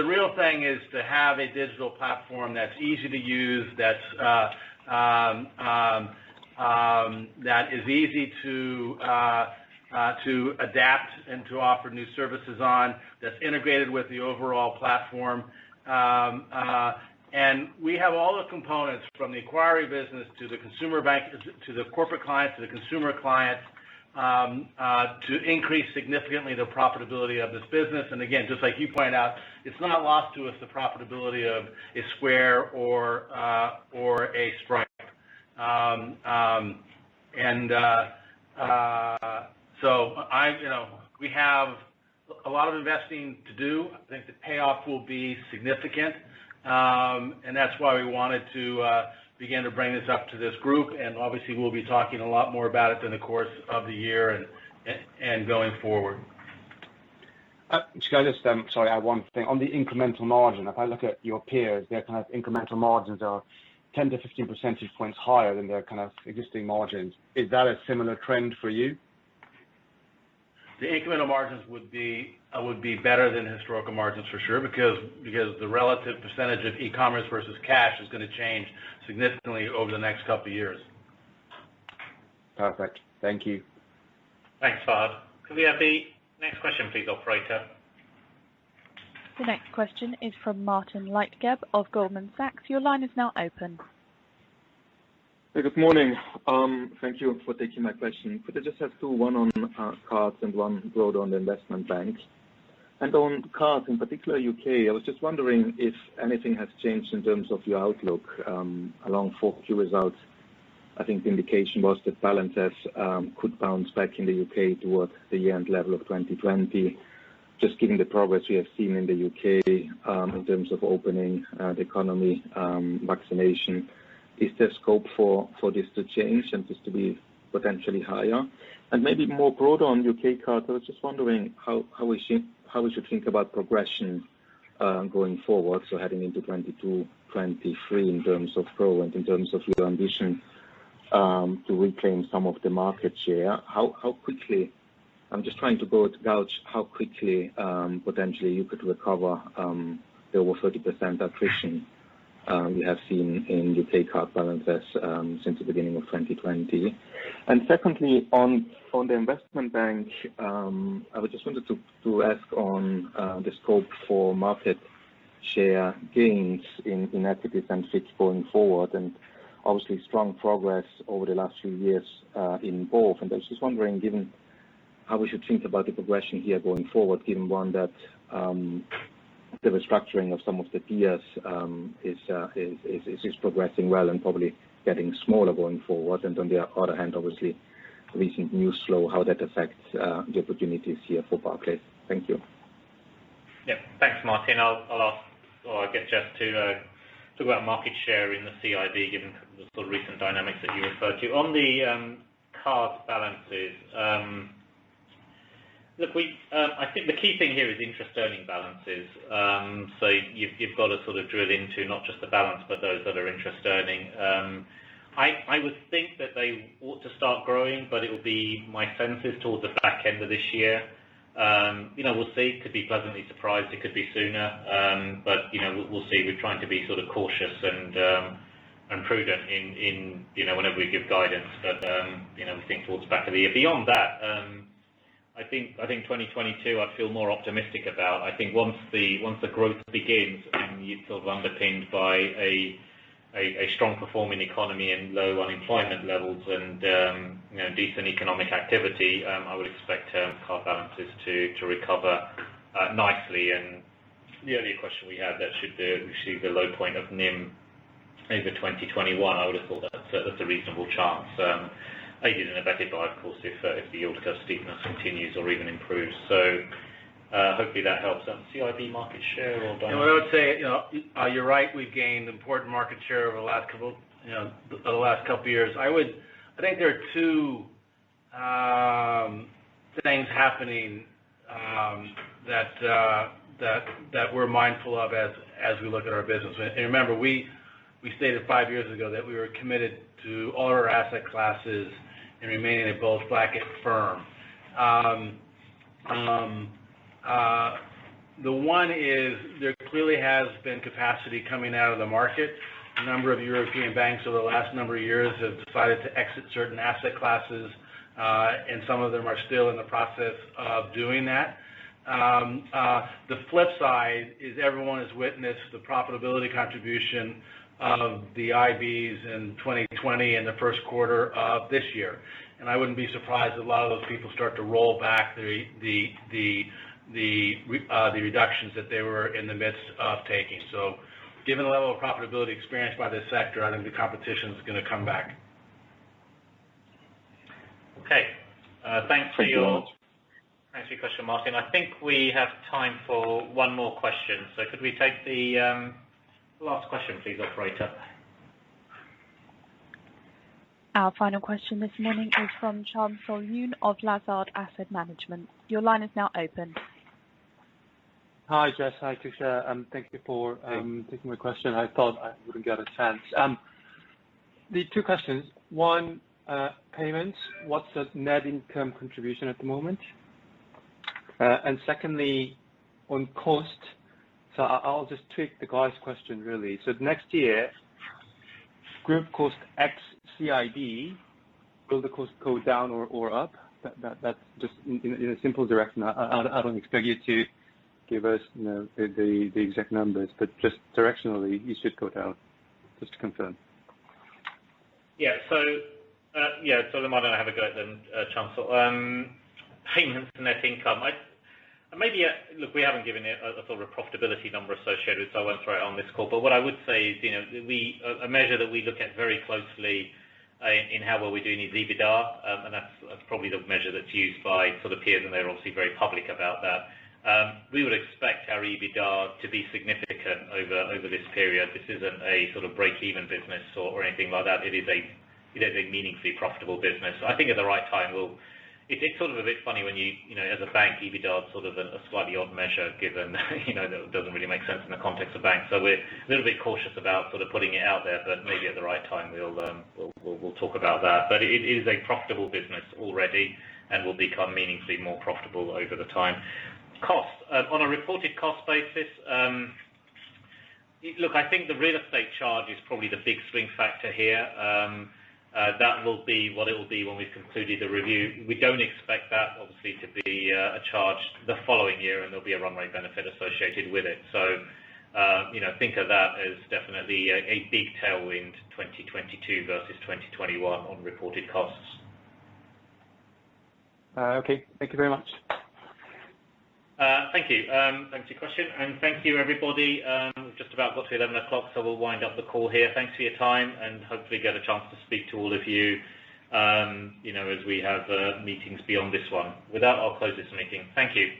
real thing is to have a digital platform that's easy to use, that is easy to adapt and to offer new services on, that's integrated with the overall platform. We have all the components from the inquiry business to the corporate clients, to the consumer clients, to increase significantly the profitability of this business. Again, just like you pointed out, it's not lost to us the profitability of a Square or a Stripe. We have a lot of investing to do. I think the payoff will be significant. That's why we wanted to begin to bring this up to this group. Obviously, we'll be talking a lot more about it in the course of the year and going forward. Sorry, I have one thing. On the incremental margin, if I look at your peers, their kind of incremental margins are 10-15 percentage points higher than their kind of existing margins. Is that a similar trend for you? The incremental margins would be better than historical margins for sure because the relative percentage of e-commerce versus cash is going to change significantly over the next couple of years. Perfect. Thank you. Thanks, Fahed. Could we have the next question please, operator? The next question is from Martin Leitgeb of Goldman Sachs. Your line is now open. Good morning. Thank you for taking my question. Could I just have two, one on cards and one broad on the investment bank? On cards, in particular U.K., I was just wondering if anything has changed in terms of your outlook along fourth Q results. I think the indication was that balances could bounce back in the U.K. towards the year-end level of 2020. Just given the progress we have seen in the U.K. in terms of opening the economy, vaccination, is there scope for this to change and this to be potentially higher? Maybe more broad on U.K. cards, I was just wondering how we should think about progression going forward. Heading into 2022, 2023 in terms of growth, in terms of your ambition to reclaim some of the market share. I'm just trying to gauge how quickly potentially you could recover the over 30% attrition we have seen in U.K. card balances since the beginning of 2020. Secondly, on the investment bank, I just wanted to ask on the scope for market share gains in equities and FICC going forward, and obviously strong progress over the last few years in both. I was just wondering how we should think about the progression here going forward, given, one, that the restructuring of some of the peers is progressing well and probably getting smaller going forward. On the other hand, obviously recent news flow, how that affects the opportunities here for Barclays. Thank you. Thanks, Martin. I'll get Jes to talk about market share in the CIB, given the recent dynamics that you referred to. On the card balances, I think the key thing here is interest earning balances. You've got to drill into not just the balance, but those that are interest earning. I would think that they ought to start growing, it will be, my sense is, towards the back end of this year. We'll see. Could be pleasantly surprised. It could be sooner. We'll see. We're trying to be cautious and prudent whenever we give guidance. We think towards the back of the year. Beyond that, I think 2022, I feel more optimistic about. I think once the growth begins, you're underpinned by a strong performing economy and low unemployment levels and decent economic activity, I would expect card balances to recover nicely. The earlier question we had that should we see the low point of NIM over 2021; I would have thought that is a reasonable chance. Aided and abetted by, of course, if the yield curve steepness continues or even improves. Hopefully that helps. CIB market share or dynamics? I would say, you're right. We've gained important market share over the last couple of years. I think there are two things happening that we're mindful of as we look at our business. Remember, we stated five years ago that we were committed to all our asset classes and remaining both Barclays and firm. The one is there clearly has been capacity coming out of the market. A number of European banks over the last number of years have decided to exit certain asset classes, and some of them are still in the process of doing that. The flip side is everyone has witnessed the profitability contribution of the IBs in 2020 and the first quarter of this year. I wouldn't be surprised if a lot of those people start to roll back the reductions that they were in the midst of taking. Given the level of profitability experienced by this sector, I think the competition is going to come back. Okay. Thanks for your question, Martin. I think we have time for one more question. Could we take the last question, please, operator? Our final question this morning is from Charmsol Yoon of Lazard Asset Management. Your line is now open. Hi, Jes. Hi, Tushar. Thank you for- Hi Taking my question. I thought I wouldn't get a chance. I have two questions. One, payments. What's the net income contribution at the moment? Secondly, on costs. I'll just tweak the guy's question, really. Next year, group costs ex-CIB, will the costs go down or up? That's just in a simple direction. I don't expect you to give us the exact numbers, just directionally, it should go down. Just to confirm. Yeah. Why don't I have a go at them, Charmsol. Payments and net income. Look, we haven't given a profitability number associated, I won't throw it on this call. What I would say is, a measure that we look at very closely in how well we're doing is EBITDA, that's probably the measure that's used by the peers, they're obviously very public about that. We would expect our EBITDA to be significant over this period. This isn't a break-even business or anything like that. It is a meaningfully profitable business. It's a bit funny when you, as a bank, EBITDA is a slightly odd measure given it doesn't really make sense in the context of banks. We're a little bit cautious about putting it out there, maybe at the right time we'll talk about that. It is a profitable business already and will become meaningfully more profitable over the time. Cost. On a reported cost basis, look, I think the real estate charge is probably the big swing factor here. That will be what it will be when we've concluded the review. We don't expect that, obviously, to be a charge the following year, and there'll be a runway benefit associated with it. Think of that as definitely a big tailwind 2022 versus 2021 on reported costs. Okay. Thank you very much. Thank you. Thanks for your question. Thank you, everybody. We've just about got to 11:00 A.M., so we'll wind up the call here. Thanks for your time, hopefully get a chance to speak to all of you as we have meetings beyond this one. With that, I'll close this meeting. Thank you.